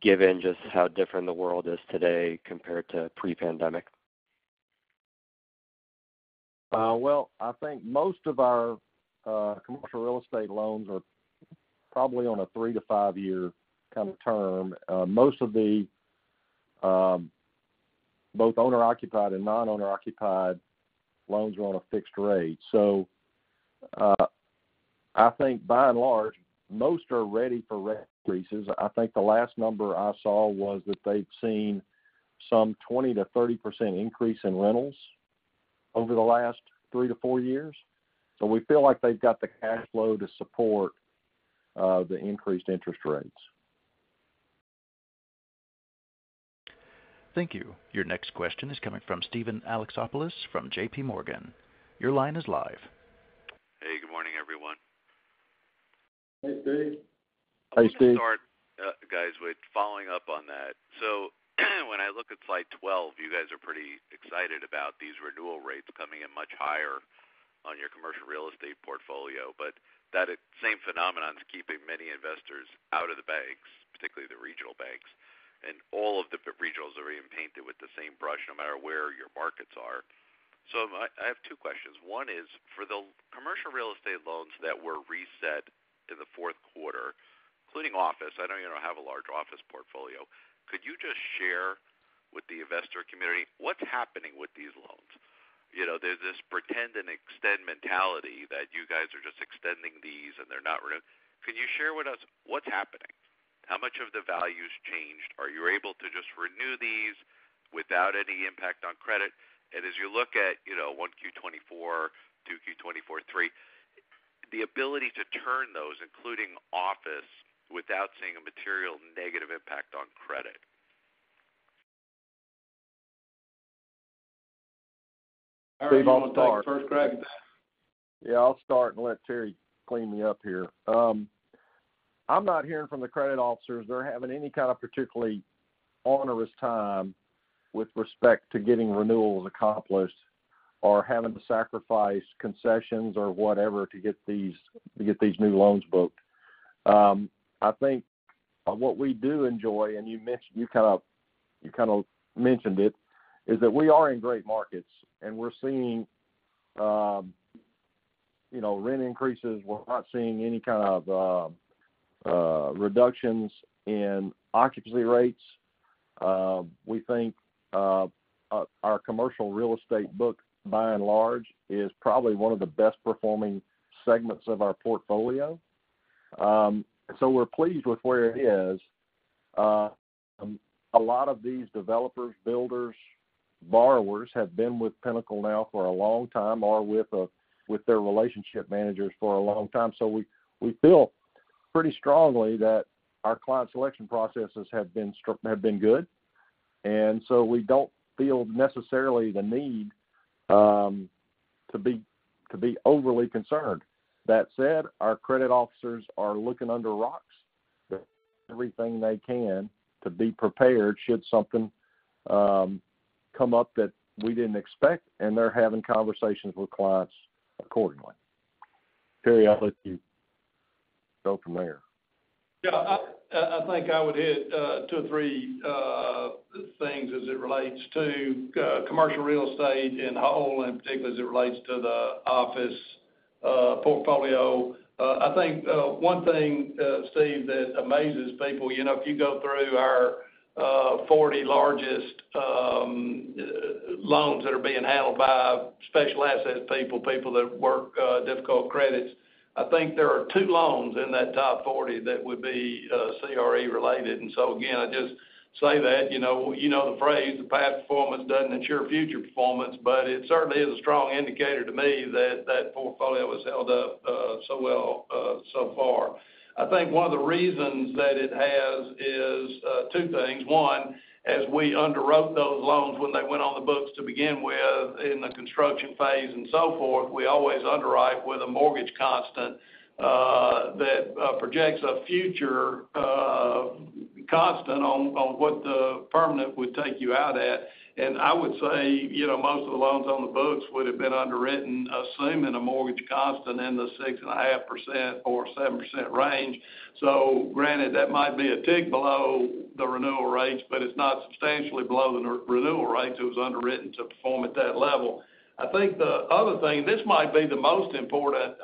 given just how different the world is today compared to pre-pandemic? Well, I think most of our commercial real estate loans are probably on a 3-5-year kind of term. Most of the both owner-occupied and non-owner occupied loans are on a fixed rate. So, I think by and large, most are ready for rent increases. I think the last number I saw was that they'd seen some 20%-30% increase in rentals over the last 3-4 years. So we feel like they've got the cash flow to support the increased interest rates. Thank you. Your next question is coming from Steven Alexopoulos from JP Morgan. Your line is live. Hey, good morning, everyone. Hey, Steve. Hi, Steve. I'm gonna start, guys, with following up on that. So when I look at slide 12, you guys are pretty excited about these renewal rates coming in much higher on your commercial real estate portfolio, but that same phenomenon is keeping many investors out of the banks, particularly the regional banks, and all of the regionals are even painted with the same brush no matter where your markets are. So I have two questions. One is, for the commercial real estate loans that were reset in the fourth quarter, including office, I know you don't have a large office portfolio. Could you just share with the investor community, what's happening with these loans? You know, there's this pretend and extend mentality that you guys are just extending these, and they're not re... Can you share with us what's happening? How much of the value's changed? Are you able to just renew these without any impact on credit? As you look at, you know, 1Q2024, 2Q2024, 3Q2024, the ability to turn those, including office, without seeing a material negative impact on credit. ... Harold, you want to take it first, crack? Yeah, I'll start and let Terry clean me up here. I'm not hearing from the credit officers they're having any kind of particularly onerous time with respect to getting renewals accomplished or having to sacrifice concessions or whatever to get these, to get these new loans booked. I think what we do enjoy, and you mentioned, you kind of, you kind of mentioned it, is that we are in great markets, and we're seeing, you know, rent increases. We're not seeing any kind of reductions in occupancy rates. We think our commercial real estate book, by and large, is probably one of the best performing segments of our portfolio. So we're pleased with where it is. A lot of these developers, builders, borrowers have been with Pinnacle now for a long time, or with their relationship managers for a long time. So we feel pretty strongly that our client selection processes have been good, and so we don't feel necessarily the need to be overly concerned. That said, our credit officers are looking under rocks, doing everything they can to be prepared should something come up that we didn't expect, and they're having conversations with clients accordingly. Terry, I'll let you go from there. Yeah, I think I would hit two or three things as it relates to commercial real estate in whole, and particularly as it relates to the office portfolio. I think one thing, Steve, that amazes people, you know, if you go through our 40 largest loans that are being handled by special assets people, people that work difficult credits, I think there are two loans in that top 40 that would be CRE related. And so again, I just say that, you know, you know the phrase, the past performance doesn't ensure future performance, but it certainly is a strong indicator to me that that portfolio has held up so well so far. I think one of the reasons that it has is two things. One, as we underwrote those loans when they went on the books to begin with in the construction phase and so forth, we always underwrite with a mortgage constant that projects a future constant on what the permanent would take you out at. And I would say, you know, most of the loans on the books would have been underwritten, assuming a mortgage constant in the 6.5%-7% range. So granted, that might be a tick below the renewal rates, but it's not substantially below the renewal rates. It was underwritten to perform at that level. I think the other thing, this might be the most important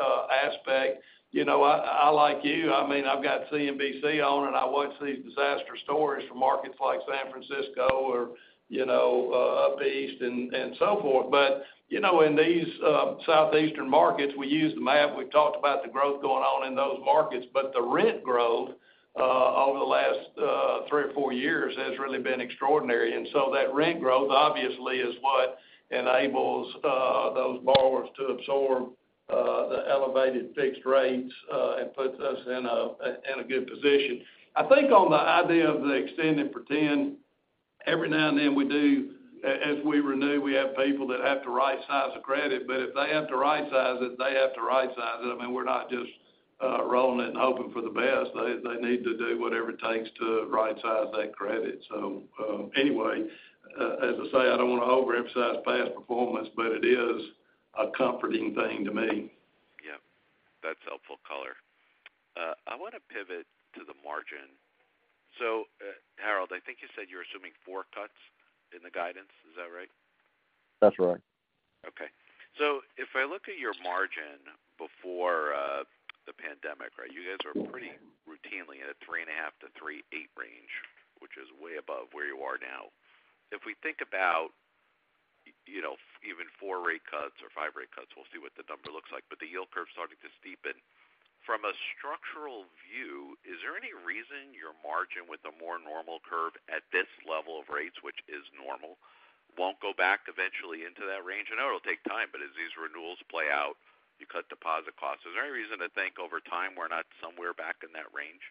aspect. You know, like you, I mean, I've got CNBC on, and I watch these disaster stories from markets like San Francisco or, you know, up east and so forth. But, you know, in these southeastern markets, we use the map. We've talked about the growth going on in those markets, but the rent growth over the last three or four years has really been extraordinary. And so that rent growth, obviously, is what enables those borrowers to absorb the elevated fixed rates and puts us in a good position. I think on the idea of the extend and pretend, every now and then, we do—as we renew, we have people that have to rightsize the credit, but if they have to rightsize it, they have to rightsize it. I mean, we're not just rolling it and hoping for the best. They, they need to do whatever it takes to rightsize that credit. So, anyway, as I say, I don't want to overemphasize past performance, but it is a comforting thing to me. Yep, that's helpful color. I want to pivot to the margin. So, Harold, I think you said you're assuming four cuts in the guidance. Is that right? That's right. Okay. So if I look at your margin before the pandemic, right, you guys are pretty routinely at a 3.5-3.8 range, which is way above where you are now. If we think about, you know, even 4 rate cuts or 5 rate cuts, we'll see what the number looks like, but the yield curve is starting to steepen. From a structural view, is there any reason your margin with a more normal curve at this level of rates, which is normal, won't go back eventually into that range? I know it'll take time, but as these renewals play out, you cut deposit costs. Is there any reason to think over time, we're not somewhere back in that range?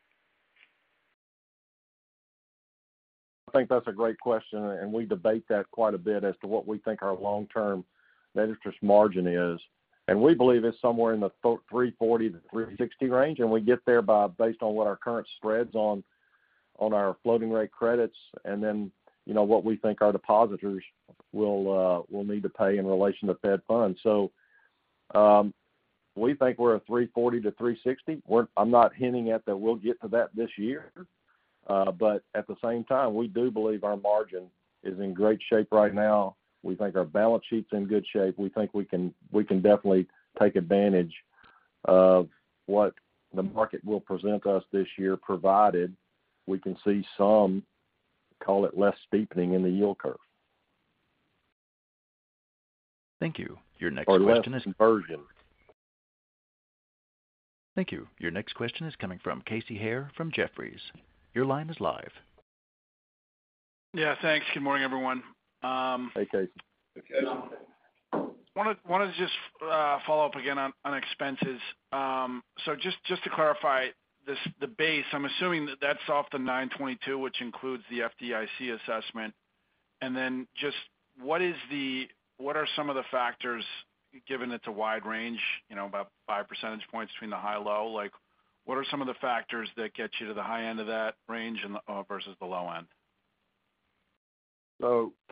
I think that's a great question, and we debate that quite a bit as to what we think our long-term net interest margin is. And we believe it's somewhere in the 3.40%-3.60% range, and we get there by based on what our current spreads on, on our floating rate credits, and then, you know, what we think our depositors will, will need to pay in relation to Fed funds. So, we think we're a 3.40%-3.60%. We're-- I'm not hinting at that we'll get to that this year, but at the same time, we do believe our margin is in great shape right now. We think our balance sheet's in good shape. We think we can, we can definitely take advantage of what the market will present us this year, provided we can see some, call it less steepening in the yield curve. Thank you. Your next question is- Or less inversion. Thank you. Your next question is coming from Casey Haire from Jefferies. Your line is live. Yeah, thanks. Good morning, everyone. Hey, Casey. Hey, Casey. Wanted to just follow up again on expenses. So just to clarify this, the base, I'm assuming that's off the 9-22, which includes the FDIC assessment? ...Then just what are some of the factors, given it's a wide range, you know, about 5 percentage points between the high and low? Like, what are some of the factors that get you to the high end of that range and versus the low end?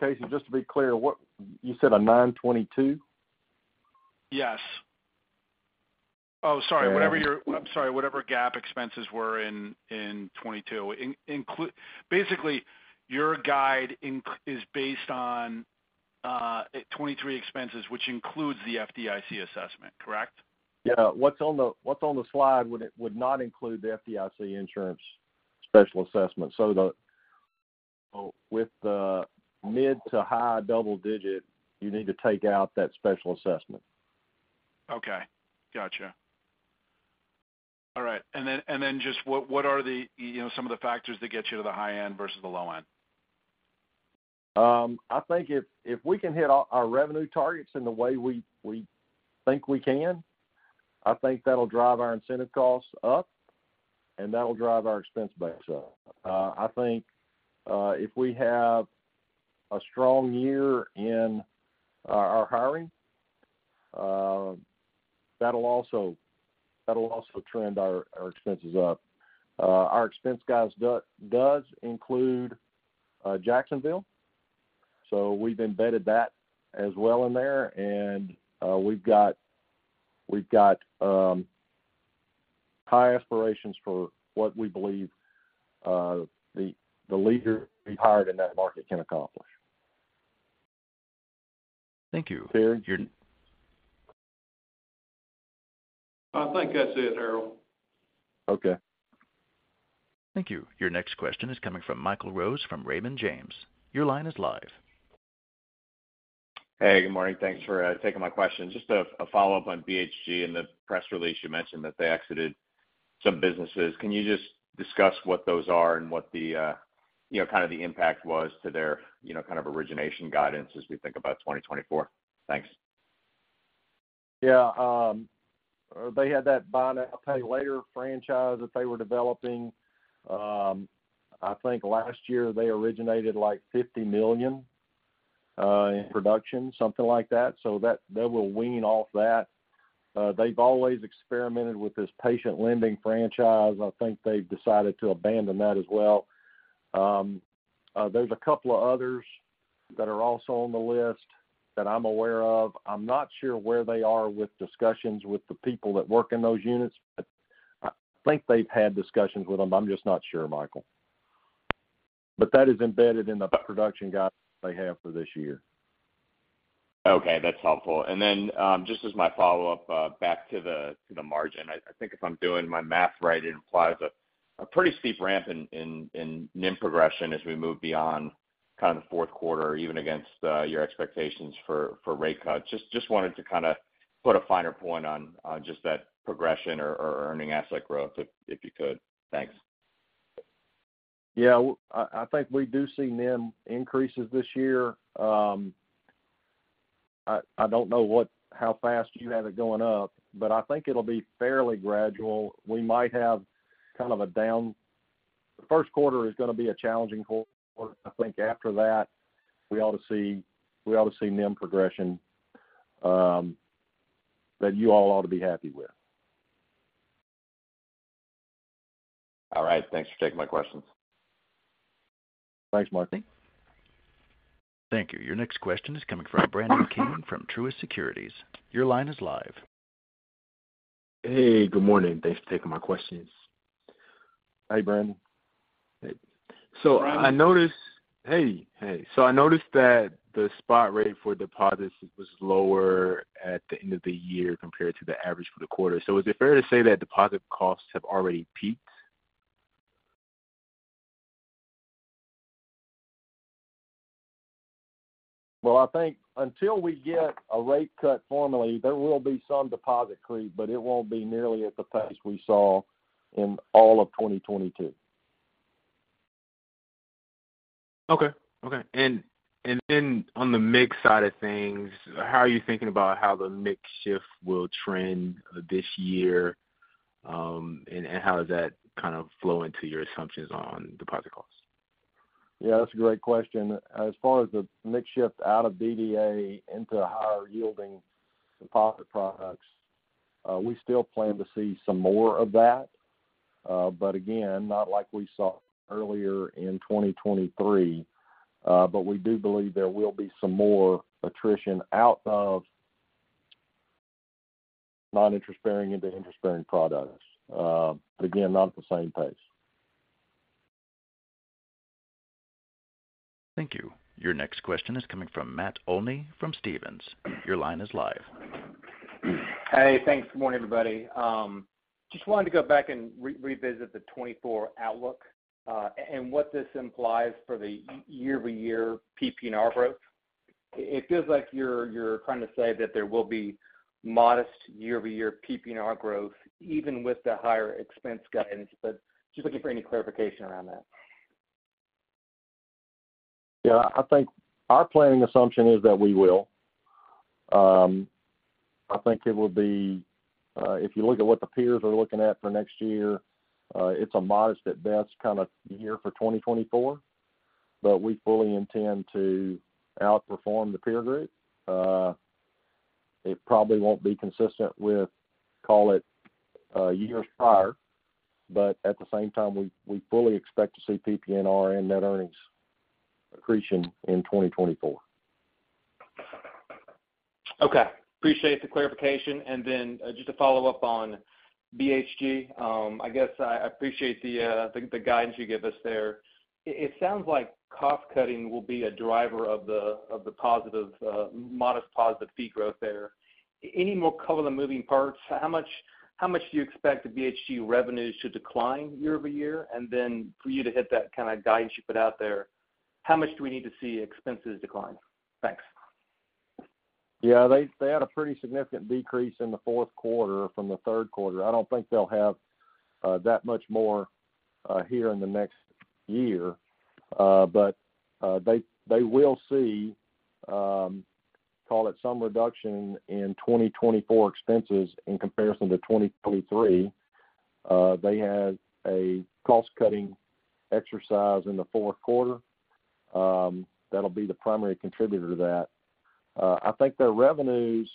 Casey, just to be clear, what—you said a 922? Yes. Oh, sorry. Whatever—I'm sorry, whatever GAAP expenses were in 2022. Basically, your guide is based on 2023 expenses, which includes the FDIC assessment, correct? Yeah. What's on the slide would not include the FDIC insurance special assessment. So, with the mid- to high double-digit, you need to take out that special assessment. Okay, got you. All right. And then, just what are the, you know, some of the factors that get you to the high end versus the low end? I think if we can hit our revenue targets in the way we think we can, I think that'll drive our incentive costs up, and that will drive our expense base up. I think if we have a strong year in our hiring, that'll also trend our expenses up. Our expense guidance does include Jacksonville, so we've embedded that as well in there, and we've got high aspirations for what we believe the leader we hired in that market can accomplish. Thank you. Terry? I think that's it, Harold. Okay. Thank you. Your next question is coming from Michael Rose, from Raymond James. Your line is live. Hey, good morning. Thanks for taking my question. Just a follow-up on BHG. In the press release, you mentioned that they exited some businesses. Can you just discuss what those are and what the, you know, kind of the impact was to their, you know, kind of origination guidance as we think about 2024? Thanks. Yeah, they had that buy now, pay later franchise that they were developing. I think last year they originated, like, $50 million in production, something like that. So that, they will wean off that. They've always experimented with this patient lending franchise. I think they've decided to abandon that as well. There's a couple of others that are also on the list that I'm aware of. I'm not sure where they are with discussions with the people that work in those units, but I think they've had discussions with them. I'm just not sure, Michael. But that is embedded in the production guide they have for this year. Okay, that's helpful. And then, just as my follow-up, back to the margin. I think if I'm doing my math right, it implies a pretty steep ramp in NIM progression as we move beyond kind of the fourth quarter, even against your expectations for rate cuts. Just wanted to kind of put a finer point on just that progression or earning asset growth, if you could. Thanks. Yeah, I, I think we do see NIM increases this year. I, I don't know what - how fast you have it going up, but I think it'll be fairly gradual. We might have kind of a down... The first quarter is going to be a challenging quarter. I think after that, we ought to see, we ought to see NIM progression, that you all ought to be happy with. All right. Thanks for taking my questions. Thanks, Michael. Thank you. Your next question is coming from Brandon King from Truist Securities. Your line is live. Hey, good morning. Thanks for taking my questions. Hi, Brandon. So I noticed that the spot rate for deposits was lower at the end of the year compared to the average for the quarter. So is it fair to say that deposit costs have already peaked? Well, I think until we get a rate cut formally, there will be some deposit creep, but it won't be nearly at the pace we saw in all of 2022. Okay. And then on the mix side of things, how are you thinking about how the mix shift will trend this year, and how does that kind of flow into your assumptions on deposit costs? Yeah, that's a great question. As far as the mix shift out of DDA into higher-yielding deposit products, we still plan to see some more of that. But again, not like we saw earlier in 2023. But we do believe there will be some more attrition out of non-interest bearing into interest-bearing products. But again, not at the same pace. Thank you. Your next question is coming from Matt Olney, from Stephens. Your line is live. Hey, thanks. Good morning, everybody. Just wanted to go back and revisit the 2024 outlook, and what this implies for the year-over-year PPNR growth. It feels like you're trying to say that there will be modest year-over-year PPNR growth, even with the higher expense guidance, but just looking for any clarification around that. Yeah. I think our planning assumption is that we will.... I think it will be, if you look at what the peers are looking at for next year, it's a modest at best kind of year for 2024, but we fully intend to outperform the peer group. It probably won't be consistent with, call it, years prior, but at the same time, we, we fully expect to see PPNR and net earnings accretion in 2024. Okay. Appreciate the clarification. And then, just to follow up on BHG, I guess I appreciate the guidance you give us there. It sounds like cost cutting will be a driver of the positive, modest positive fee growth there. Any more color on the moving parts? How much do you expect the BHG revenues to decline year over year? And then for you to hit that kind of guidance you put out there, how much do we need to see expenses decline? Thanks. Yeah, they had a pretty significant decrease in the fourth quarter from the third quarter. I don't think they'll have that much more here in the next year. But they will see, call it some reduction in 2024 expenses in comparison to 2023. They had a cost-cutting exercise in the fourth quarter. That'll be the primary contributor to that. I think their revenues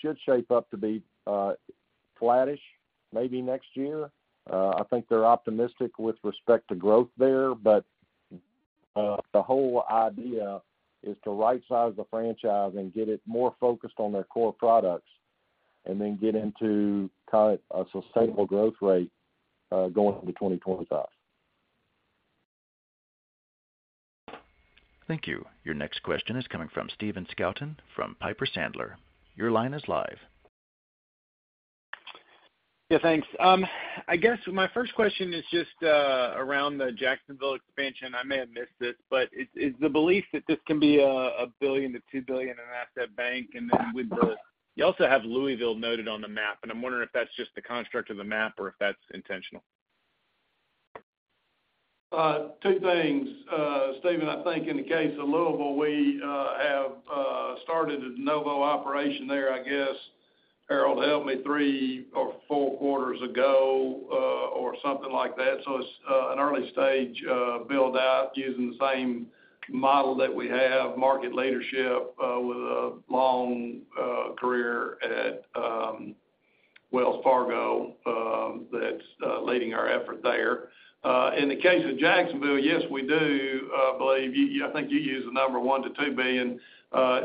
should shape up to be flattish maybe next year. I think they're optimistic with respect to growth there, but the whole idea is to rightsize the franchise and get it more focused on their core products and then get into kind of a sustainable growth rate going into 2025. Thank you. Your next question is coming from Steven Scouten from Piper Sandler. Your line is live. Yeah, thanks. I guess my first question is just around the Jacksonville expansion. I may have missed it, but is, is the belief that this can be a $1 billion-$2 billion in asset bank? And then with the- You also have Louisville noted on the map, and I'm wondering if that's just the construct of the map or if that's intentional. Two things, Steven. I think in the case of Louisville, we have started a de novo operation there, I guess, Harold, help me, 3 or 4 quarters ago, or something like that. So it's an early stage build out using the same model that we have, market leadership with a long career at Wells Fargo, that's leading our effort there. In the case of Jacksonville, yes, we do believe you. I think you use the number $1-$2 billion.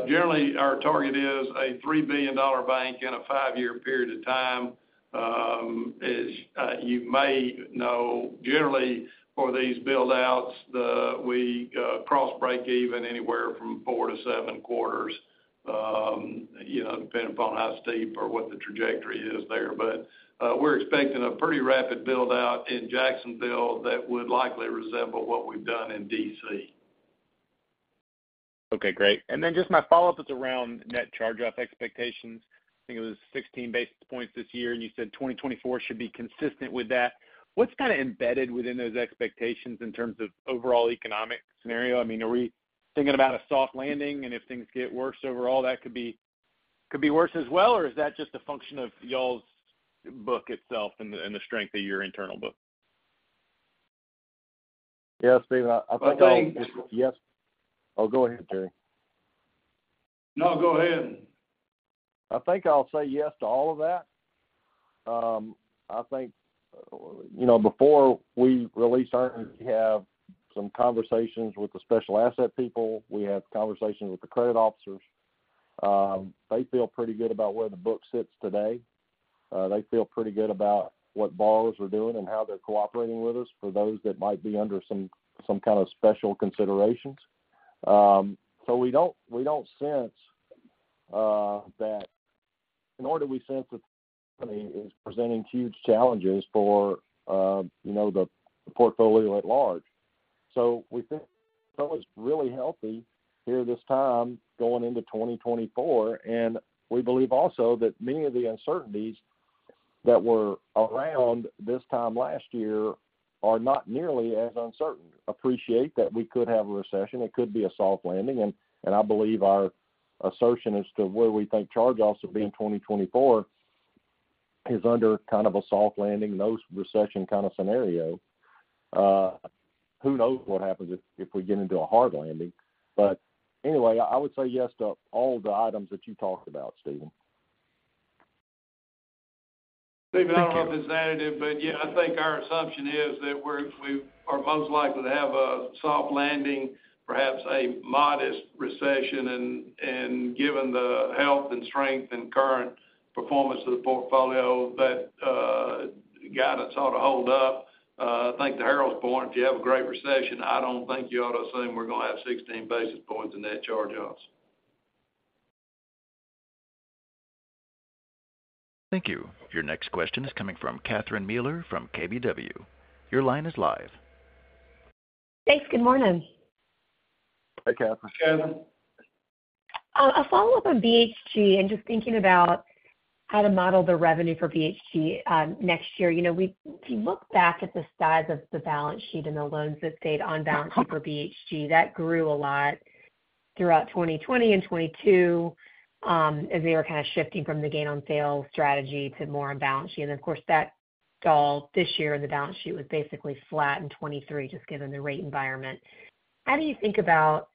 Generally, our target is a $3 billion bank in a 5-year period of time. As you may know, generally, for these build-outs, we cross break even anywhere from 4-7 quarters, you know, depending upon how steep or what the trajectory is there. But, we're expecting a pretty rapid build-out in Jacksonville that would likely resemble what we've done in DC. Okay, great. And then just my follow-up is around net charge-off expectations. I think it was 16 basis points this year, and you said 2024 should be consistent with that. What's kind of embedded within those expectations in terms of overall economic scenario? I mean, are we thinking about a soft landing, and if things get worse overall, that could be, could be worse as well, or is that just a function of y'all's book itself and the, and the strength of your internal book? Yes, Steven, I think- I think- Yes. Oh, go ahead, Terry. No, go ahead. I think I'll say yes to all of that. I think, you know, before we release earnings, we have some conversations with the special asset people. We have conversations with the credit officers. They feel pretty good about where the book sits today. They feel pretty good about what borrowers are doing and how they're cooperating with us, for those that might be under some kind of special considerations. So we don't, we don't sense that, nor do we sense that the company is presenting huge challenges for, you know, the portfolio at large. So we think it's really healthy here this time going into 2024, and we believe also that many of the uncertainties that were around this time last year are not nearly as uncertain. Appreciate that we could have a recession, it could be a soft landing, and I believe our assertion as to where we think charge-offs will be in 2024 is under kind of a soft landing, no recession kind of scenario. Who knows what happens if we get into a hard landing? But anyway, I would say yes to all the items that you talked about, Steven. Thank you. Steven, I don't know if it's additive, but, yeah, I think our assumption is that we're most likely to have a soft landing, perhaps a modest recession, and given the health and strength and current performance of the portfolio, that guidance ought to hold up. I think to Harold's point, if you have a great recession, I don't think you ought to assume we're going to have 16 basis points in net charge-offs. Thank you. Your next question is coming from Catherine Mealor from KBW. Your line is live. Thanks. Good morning. Hi, Catherine. Catherine. A follow-up on BHG and just thinking about how to model the revenue for BHG next year. You know, if you look back at the size of the balance sheet and the loans that stayed on balance sheet for BHG, that grew a lot throughout 2020 and 2022, as they were kind of shifting from the gain on sale strategy to more on balance sheet. And of course, that stalled this year, and the balance sheet was basically flat in 2023, just given the rate environment. How do you think about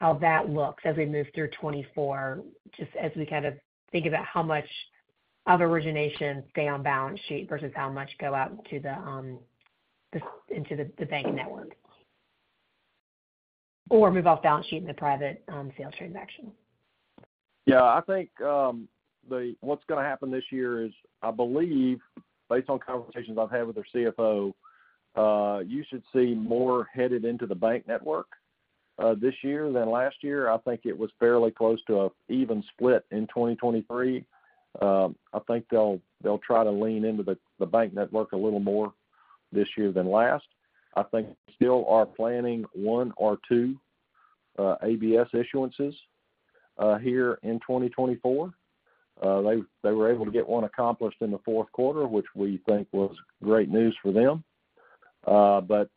how that looks as we move through 2024, just as we kind of think about how much of origination stay on balance sheet versus how much go out into the bank network? Or move off balance sheet in the private sales transaction. Yeah, I think, what's going to happen this year is, I believe, based on conversations I've had with their CFO, you should see more headed into the bank network, this year than last year. I think it was fairly close to an even split in 2023. I think they'll, they'll try to lean into the, the bank network a little more this year than last. I think still are planning one or two, ABS issuances, here in 2024. They were able to get one accomplished in the fourth quarter, which we think was great news for them. But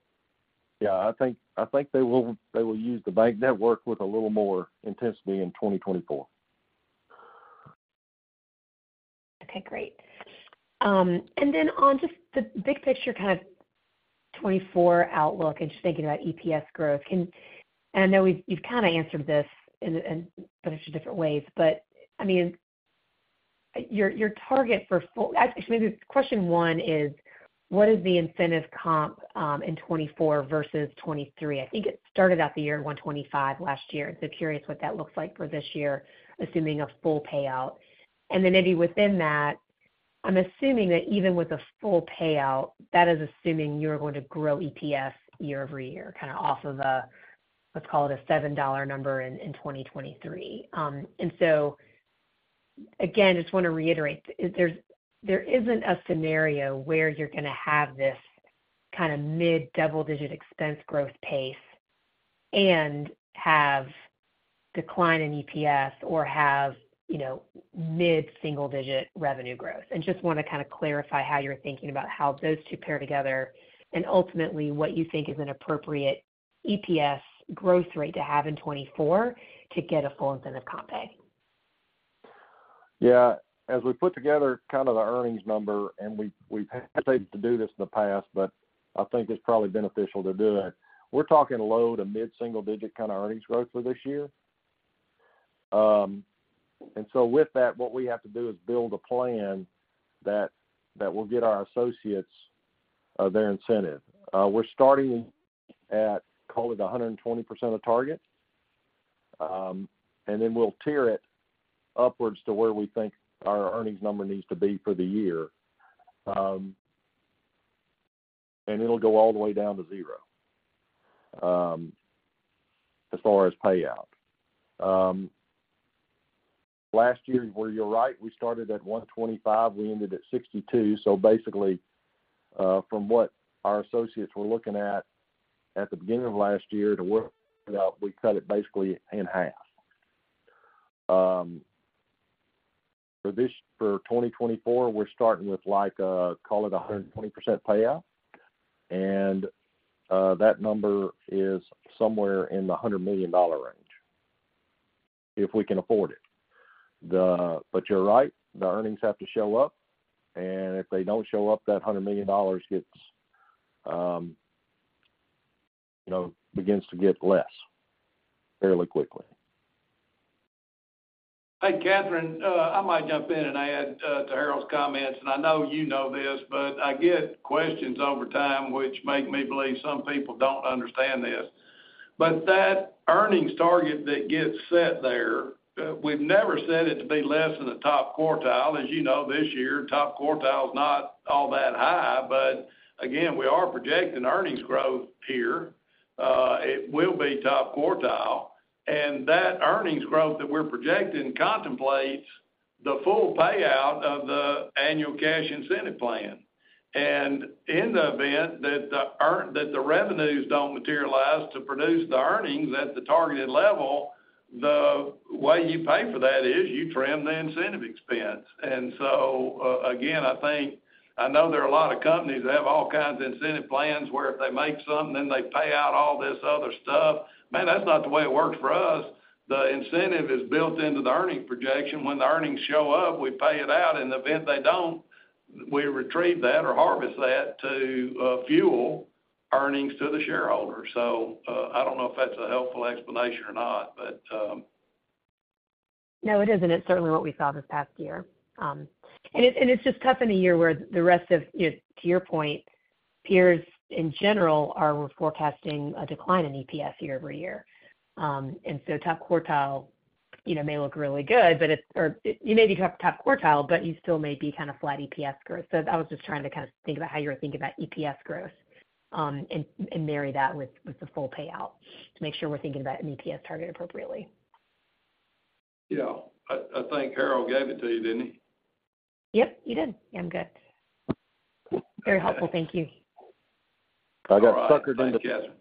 yeah, I think, I think they will, they will use the bank network with a little more intensity in 2024. Okay, great. And then on just the big picture, kind of 2024 outlook and just thinking about EPS growth. And I know you've kind of answered this in a bunch of different ways, but I mean, your target for full—actually, maybe question one is: What is the incentive comp in 2024 versus 2023? I think it started out the year $125 last year. So curious what that looks like for this year, assuming a full payout. And then maybe within that, I'm assuming that even with a full payout, that is assuming you're going to grow EPS year-over-year, kind of off of a, let's call it a $7 number in 2023. And so again, just want to reiterate, there, there isn't a scenario where you're going to have this kind of mid-double-digit expense growth pace and have decline in EPS or have, you know, mid-single-digit revenue growth. And just want to kind of clarify how you're thinking about how those two pair together and ultimately what you think is an appropriate EPS growth rate to have in 2024 to get a full incentive comp pay. Yeah. As we put together kind of the earnings number, and we've had to do this in the past, but I think it's probably beneficial to do it. We're talking low to mid-single digit kind of earnings growth for this year. And so with that, what we have to do is build a plan that will get our associates their incentive. We're starting at, call it 120% of target, and then we'll tier it upwards to where we think our earnings number needs to be for the year. And it'll go all the way down to zero, as far as payout. Last year, well, you're right, we started at 125, we ended at 62. So basically, from what our associates were looking at, at the beginning of last year to where we ended up, we cut it basically in half. For this, for 2024, we're starting with like, call it 120% payout, and, that number is somewhere in the $100 million range, if we can afford it. But you're right, the earnings have to show up, and if they don't show up, that $100 million gets, you know, begins to get less fairly quickly. Hey, Catherine, I might jump in and add to Harold's comments. I know you know this, but I get questions over time, which make me believe some people don't understand this. But that earnings target that gets set there, we've never said it to be less than the top quartile. As you know, this year, top quartile is not all that high. But again, we are projecting earnings growth here. It will be top quartile, and that earnings growth that we're projecting contemplates the full payout of the annual cash incentive plan. In the event that the revenues don't materialize to produce the earnings at the targeted level, the way you pay for that is you trim the incentive expense. And so, again, I think I know there are a lot of companies that have all kinds of incentive plans, where if they make something, then they pay out all this other stuff. Man, that's not the way it works for us. The incentive is built into the earnings projection. When the earnings show up, we pay it out. In the event they don't, we retrieve that or harvest that to fuel earnings to the shareholder. So, I don't know if that's a helpful explanation or not, but- No, it is, and it's certainly what we saw this past year. And it's just tough in a year where the rest of, you know, to your point, peers in general are forecasting a decline in EPS year-over-year. And so top quartile, you know, may look really good, but it's or you may be top quartile, but you still may be kind of flat EPS growth. So I was just trying to kind of think about how you were thinking about EPS growth, and marry that with the full payout to make sure we're thinking about an EPS target appropriately. Yeah. I think Harold gave it to you, didn't he? Yep, you did. I'm good. Very helpful. Thank you. I got suckered into it....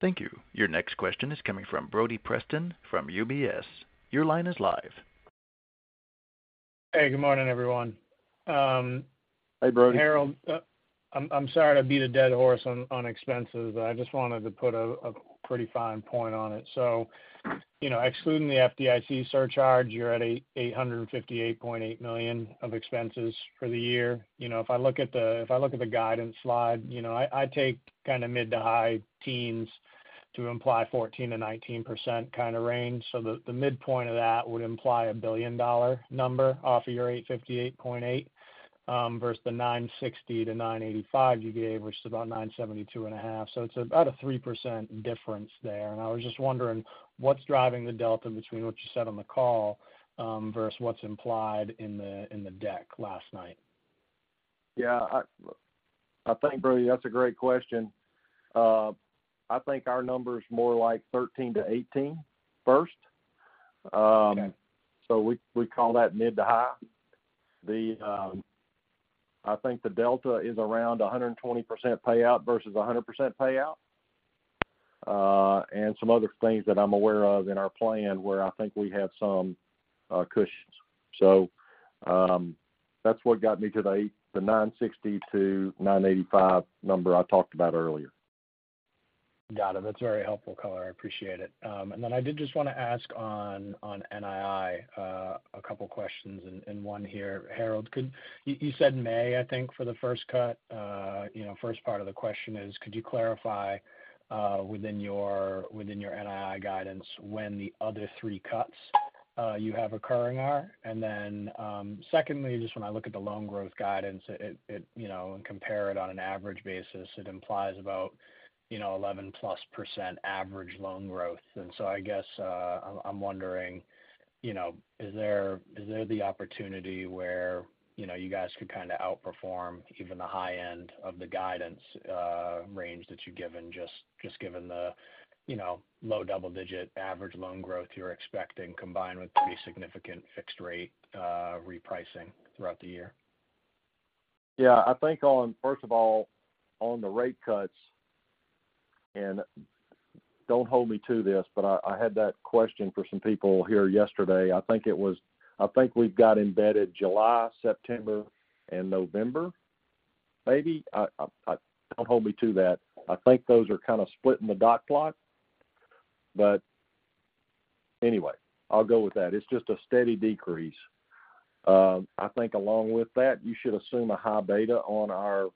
Thank you. Your next question is coming from Brodie Preston from UBS. Your line is live. Hey, good morning, everyone. Hey, Brodie. Harold, I'm sorry to beat a dead horse on expenses. I just wanted to put a pretty fine point on it. So, you know, excluding the FDIC surcharge, you're at $858.8 million of expenses for the year. You know, if I look at the guidance slide, you know, I take kind of mid to high teens to imply 14%-19% kind of range. So the midpoint of that would imply a billion-dollar number off of your $858.8, versus the $960-$985 you gave, which is about $972.5. So it's about a 3% difference there. I was just wondering, what's driving the delta between what you said on the call versus what's implied in the deck last night? Yeah, I think, Brodie, that's a great question. I think our number is more like 13-18, first. Okay. We call that mid to high. The, I think the delta is around 120% payout versus 100% payout, and some other things that I'm aware of in our plan where I think we have some cushions. That's what got me to the $9.60-$9.85 number I talked about earlier. Got it. That's a very helpful color. I appreciate it. And then I did just want to ask on NII, a couple of questions, and one here. Harold, could you. You said May, I think, for the first cut. You know, first part of the question is, could you clarify within your NII guidance, when the other 3 cuts you have occurring are? And then, secondly, just when I look at the loan growth guidance, it you know and compare it on an average basis, it implies about, you know, 11+% average loan growth. And so I guess, I'm wondering, you know, is there the opportunity where, you know, you guys could kind of outperform even the high end of the guidance range that you've given, just given the, you know, low double-digit average loan growth you're expecting, combined with the significant fixed rate repricing throughout the year? Yeah. I think on, first of all, on the rate cuts, and don't hold me to this, but I, I had that question for some people here yesterday. I think it was-- I think we've got embedded July, September, and November, maybe. Don't hold me to that. I think those are kind of split in the dot plot, but anyway, I'll go with that. It's just a steady decrease. I think along with that, you should assume a high beta on our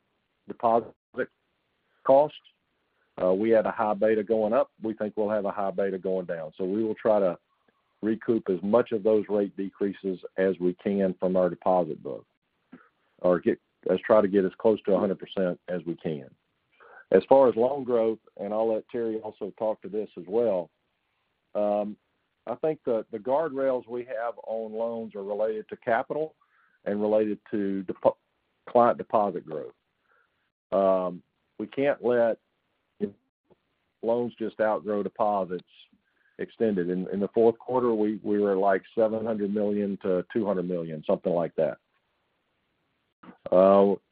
deposit cost. We had a high beta going up. We think we'll have a high beta going down. So we will try to recoup as much of those rate decreases as we can from our deposit book, or let's try to get as close to 100% as we can. As far as loan growth, and I'll let Terry also talk to this as well, I think the guardrails we have on loans are related to capital and related to client deposit growth. We can't let loans just outgrow deposits extended. In the fourth quarter, we were like $700 million-$200 million, something like that.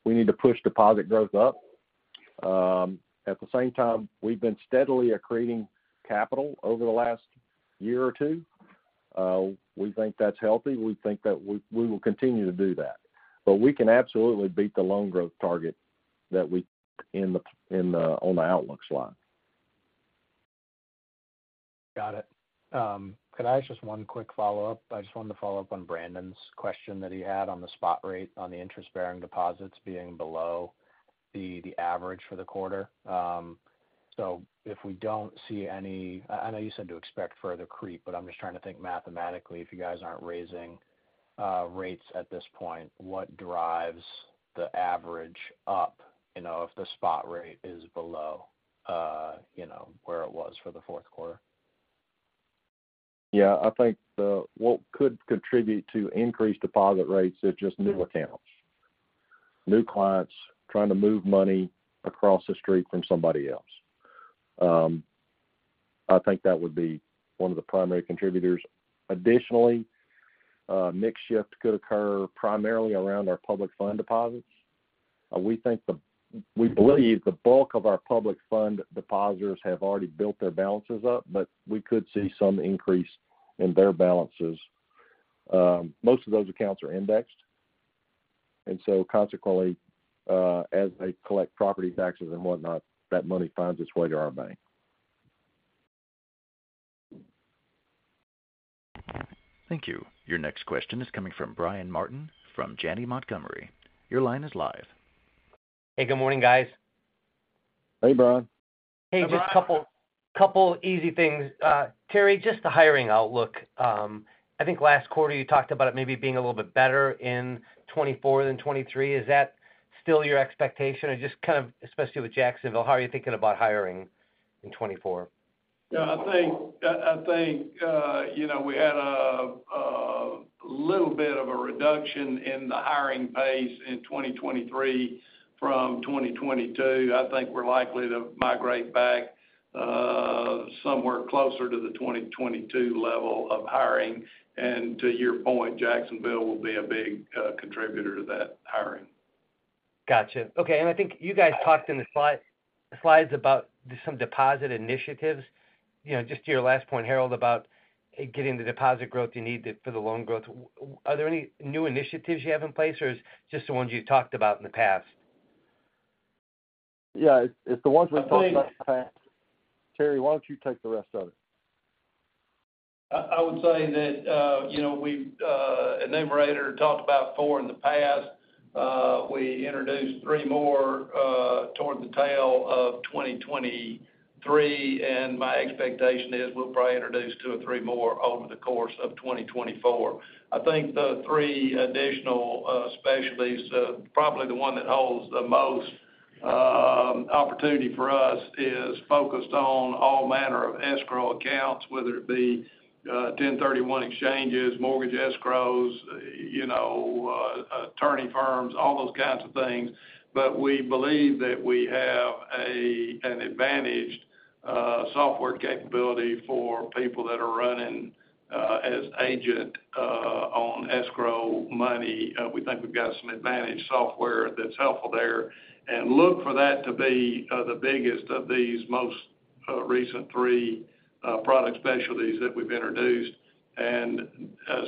We need to push deposit growth up. At the same time, we've been steadily accreting capital over the last year or two. We think that's healthy. We think that we will continue to do that. But we can absolutely beat the loan growth target that we on the outlook slide. Got it. Could I ask just one quick follow-up? I just wanted to follow up on Brandon's question that he had on the spot rate on the interest-bearing deposits being below the average for the quarter. So if we don't see any... I know you said to expect further creep, but I'm just trying to think mathematically, if you guys aren't raising rates at this point, what drives the average up, you know, if the spot rate is below, you know, where it was for the fourth quarter? Yeah. I think what could contribute to increased deposit rates is just new accounts. New clients trying to move money across the street from somebody else. I think that would be one of the primary contributors. Additionally, mix shift could occur primarily around our public fund deposits. We think we believe the bulk of our public fund depositors have already built their balances up, but we could see some increase in their balances. Most of those accounts are indexed, and so consequently, as they collect property taxes and whatnot, that money finds its way to our bank. Thank you. Your next question is coming from Brian Martin, from Janney Montgomery. Your line is live. Hey, good morning, guys. Hey, Brian. Hey, just a couple easy things. Terry, just the hiring outlook. I think last quarter you talked about it maybe being a little bit better in 2024 than 2023. Is that still your expectation? And just kind of, especially with Jacksonville, how are you thinking about hiring in 2024? Yeah, I think, I think, you know, we had a little bit of a reduction in the hiring pace in 2023 from 2022. I think we're likely to migrate back, somewhere closer to the 2022 level of hiring. And to your point, Jacksonville will be a big contributor to that hiring.... Gotcha. Okay, and I think you guys talked in the slide, the slides about some deposit initiatives. You know, just to your last point, Harold, about getting the deposit growth you need to for the loan growth. Are there any new initiatives you have in place, or is just the ones you've talked about in the past? Yeah, it's, it's the ones we've talked about in the past. Terry, why don't you take the rest of it? I would say that, you know, we've enumerated or talked about 4 in the past. We introduced 3 more towards the tail of 2023, and my expectation is we'll probably introduce 2 or 3 more over the course of 2024. I think the 3 additional specialties, probably the one that holds the most opportunity for us is focused on all manner of escrow accounts, whether it be 1031 exchanges, mortgage escrows, you know, attorney firms, all those kinds of things. But we believe that we have an advantaged software capability for people that are running as agent on escrow money. We think we've got some advantage software that's helpful there, and look for that to be the biggest of these most recent 3 product specialties that we've introduced.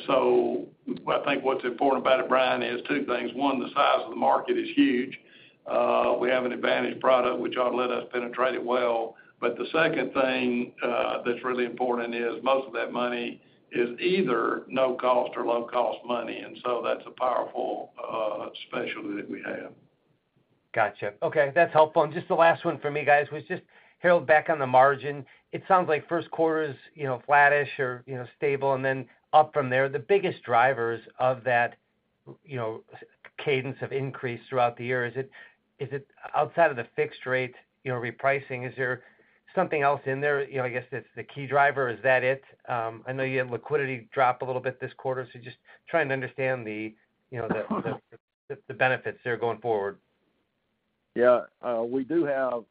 So I think what's important about it, Bryan, is two things. One, the size of the market is huge. We have an advantage product, which ought to let us penetrate it well. But the second thing that's really important is most of that money is either no cost or low-cost money, and so that's a powerful specialty that we have. Gotcha. Okay, that's helpful. And just the last one for me, guys, was just, Harold, back on the margin. It sounds like first quarter is, you know, flattish or, you know, stable and then up from there. The biggest drivers of that, you know, cadence of increase throughout the year, is it, is it outside of the fixed rate, you know, repricing? Is there something else in there? You know, I guess that's the key driver. Is that it? I know you had liquidity drop a little bit this quarter, so just trying to understand the, you know, the, the, the benefits there going forward. Yeah, we do have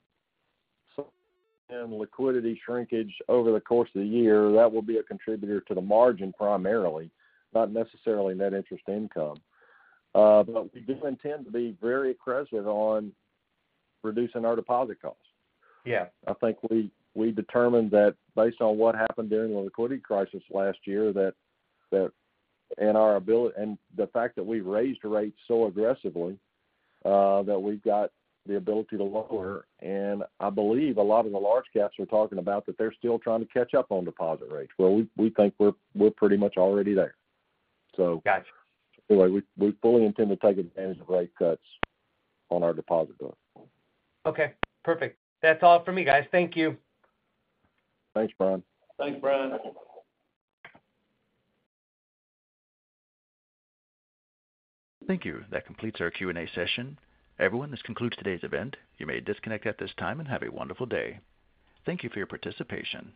some liquidity shrinkage over the course of the year. That will be a contributor to the margin primarily, not necessarily net interest income. But we do intend to be very aggressive on reducing our deposit costs. Yeah. I think we determined that based on what happened during the liquidity crisis last year, that and our ability, and the fact that we've raised rates so aggressively, that we've got the ability to lower. And I believe a lot of the large caps are talking about that they're still trying to catch up on deposit rates. Well, we think we're pretty much already there. So- Gotcha. Anyway, we fully intend to take advantage of rate cuts on our deposit book. Okay, perfect. That's all for me, guys. Thank you. Thanks, Brian. Thanks, Brian. Thank you. That completes our Q&A session. Everyone, this concludes today's event. You may disconnect at this time and have a wonderful day. Thank you for your participation.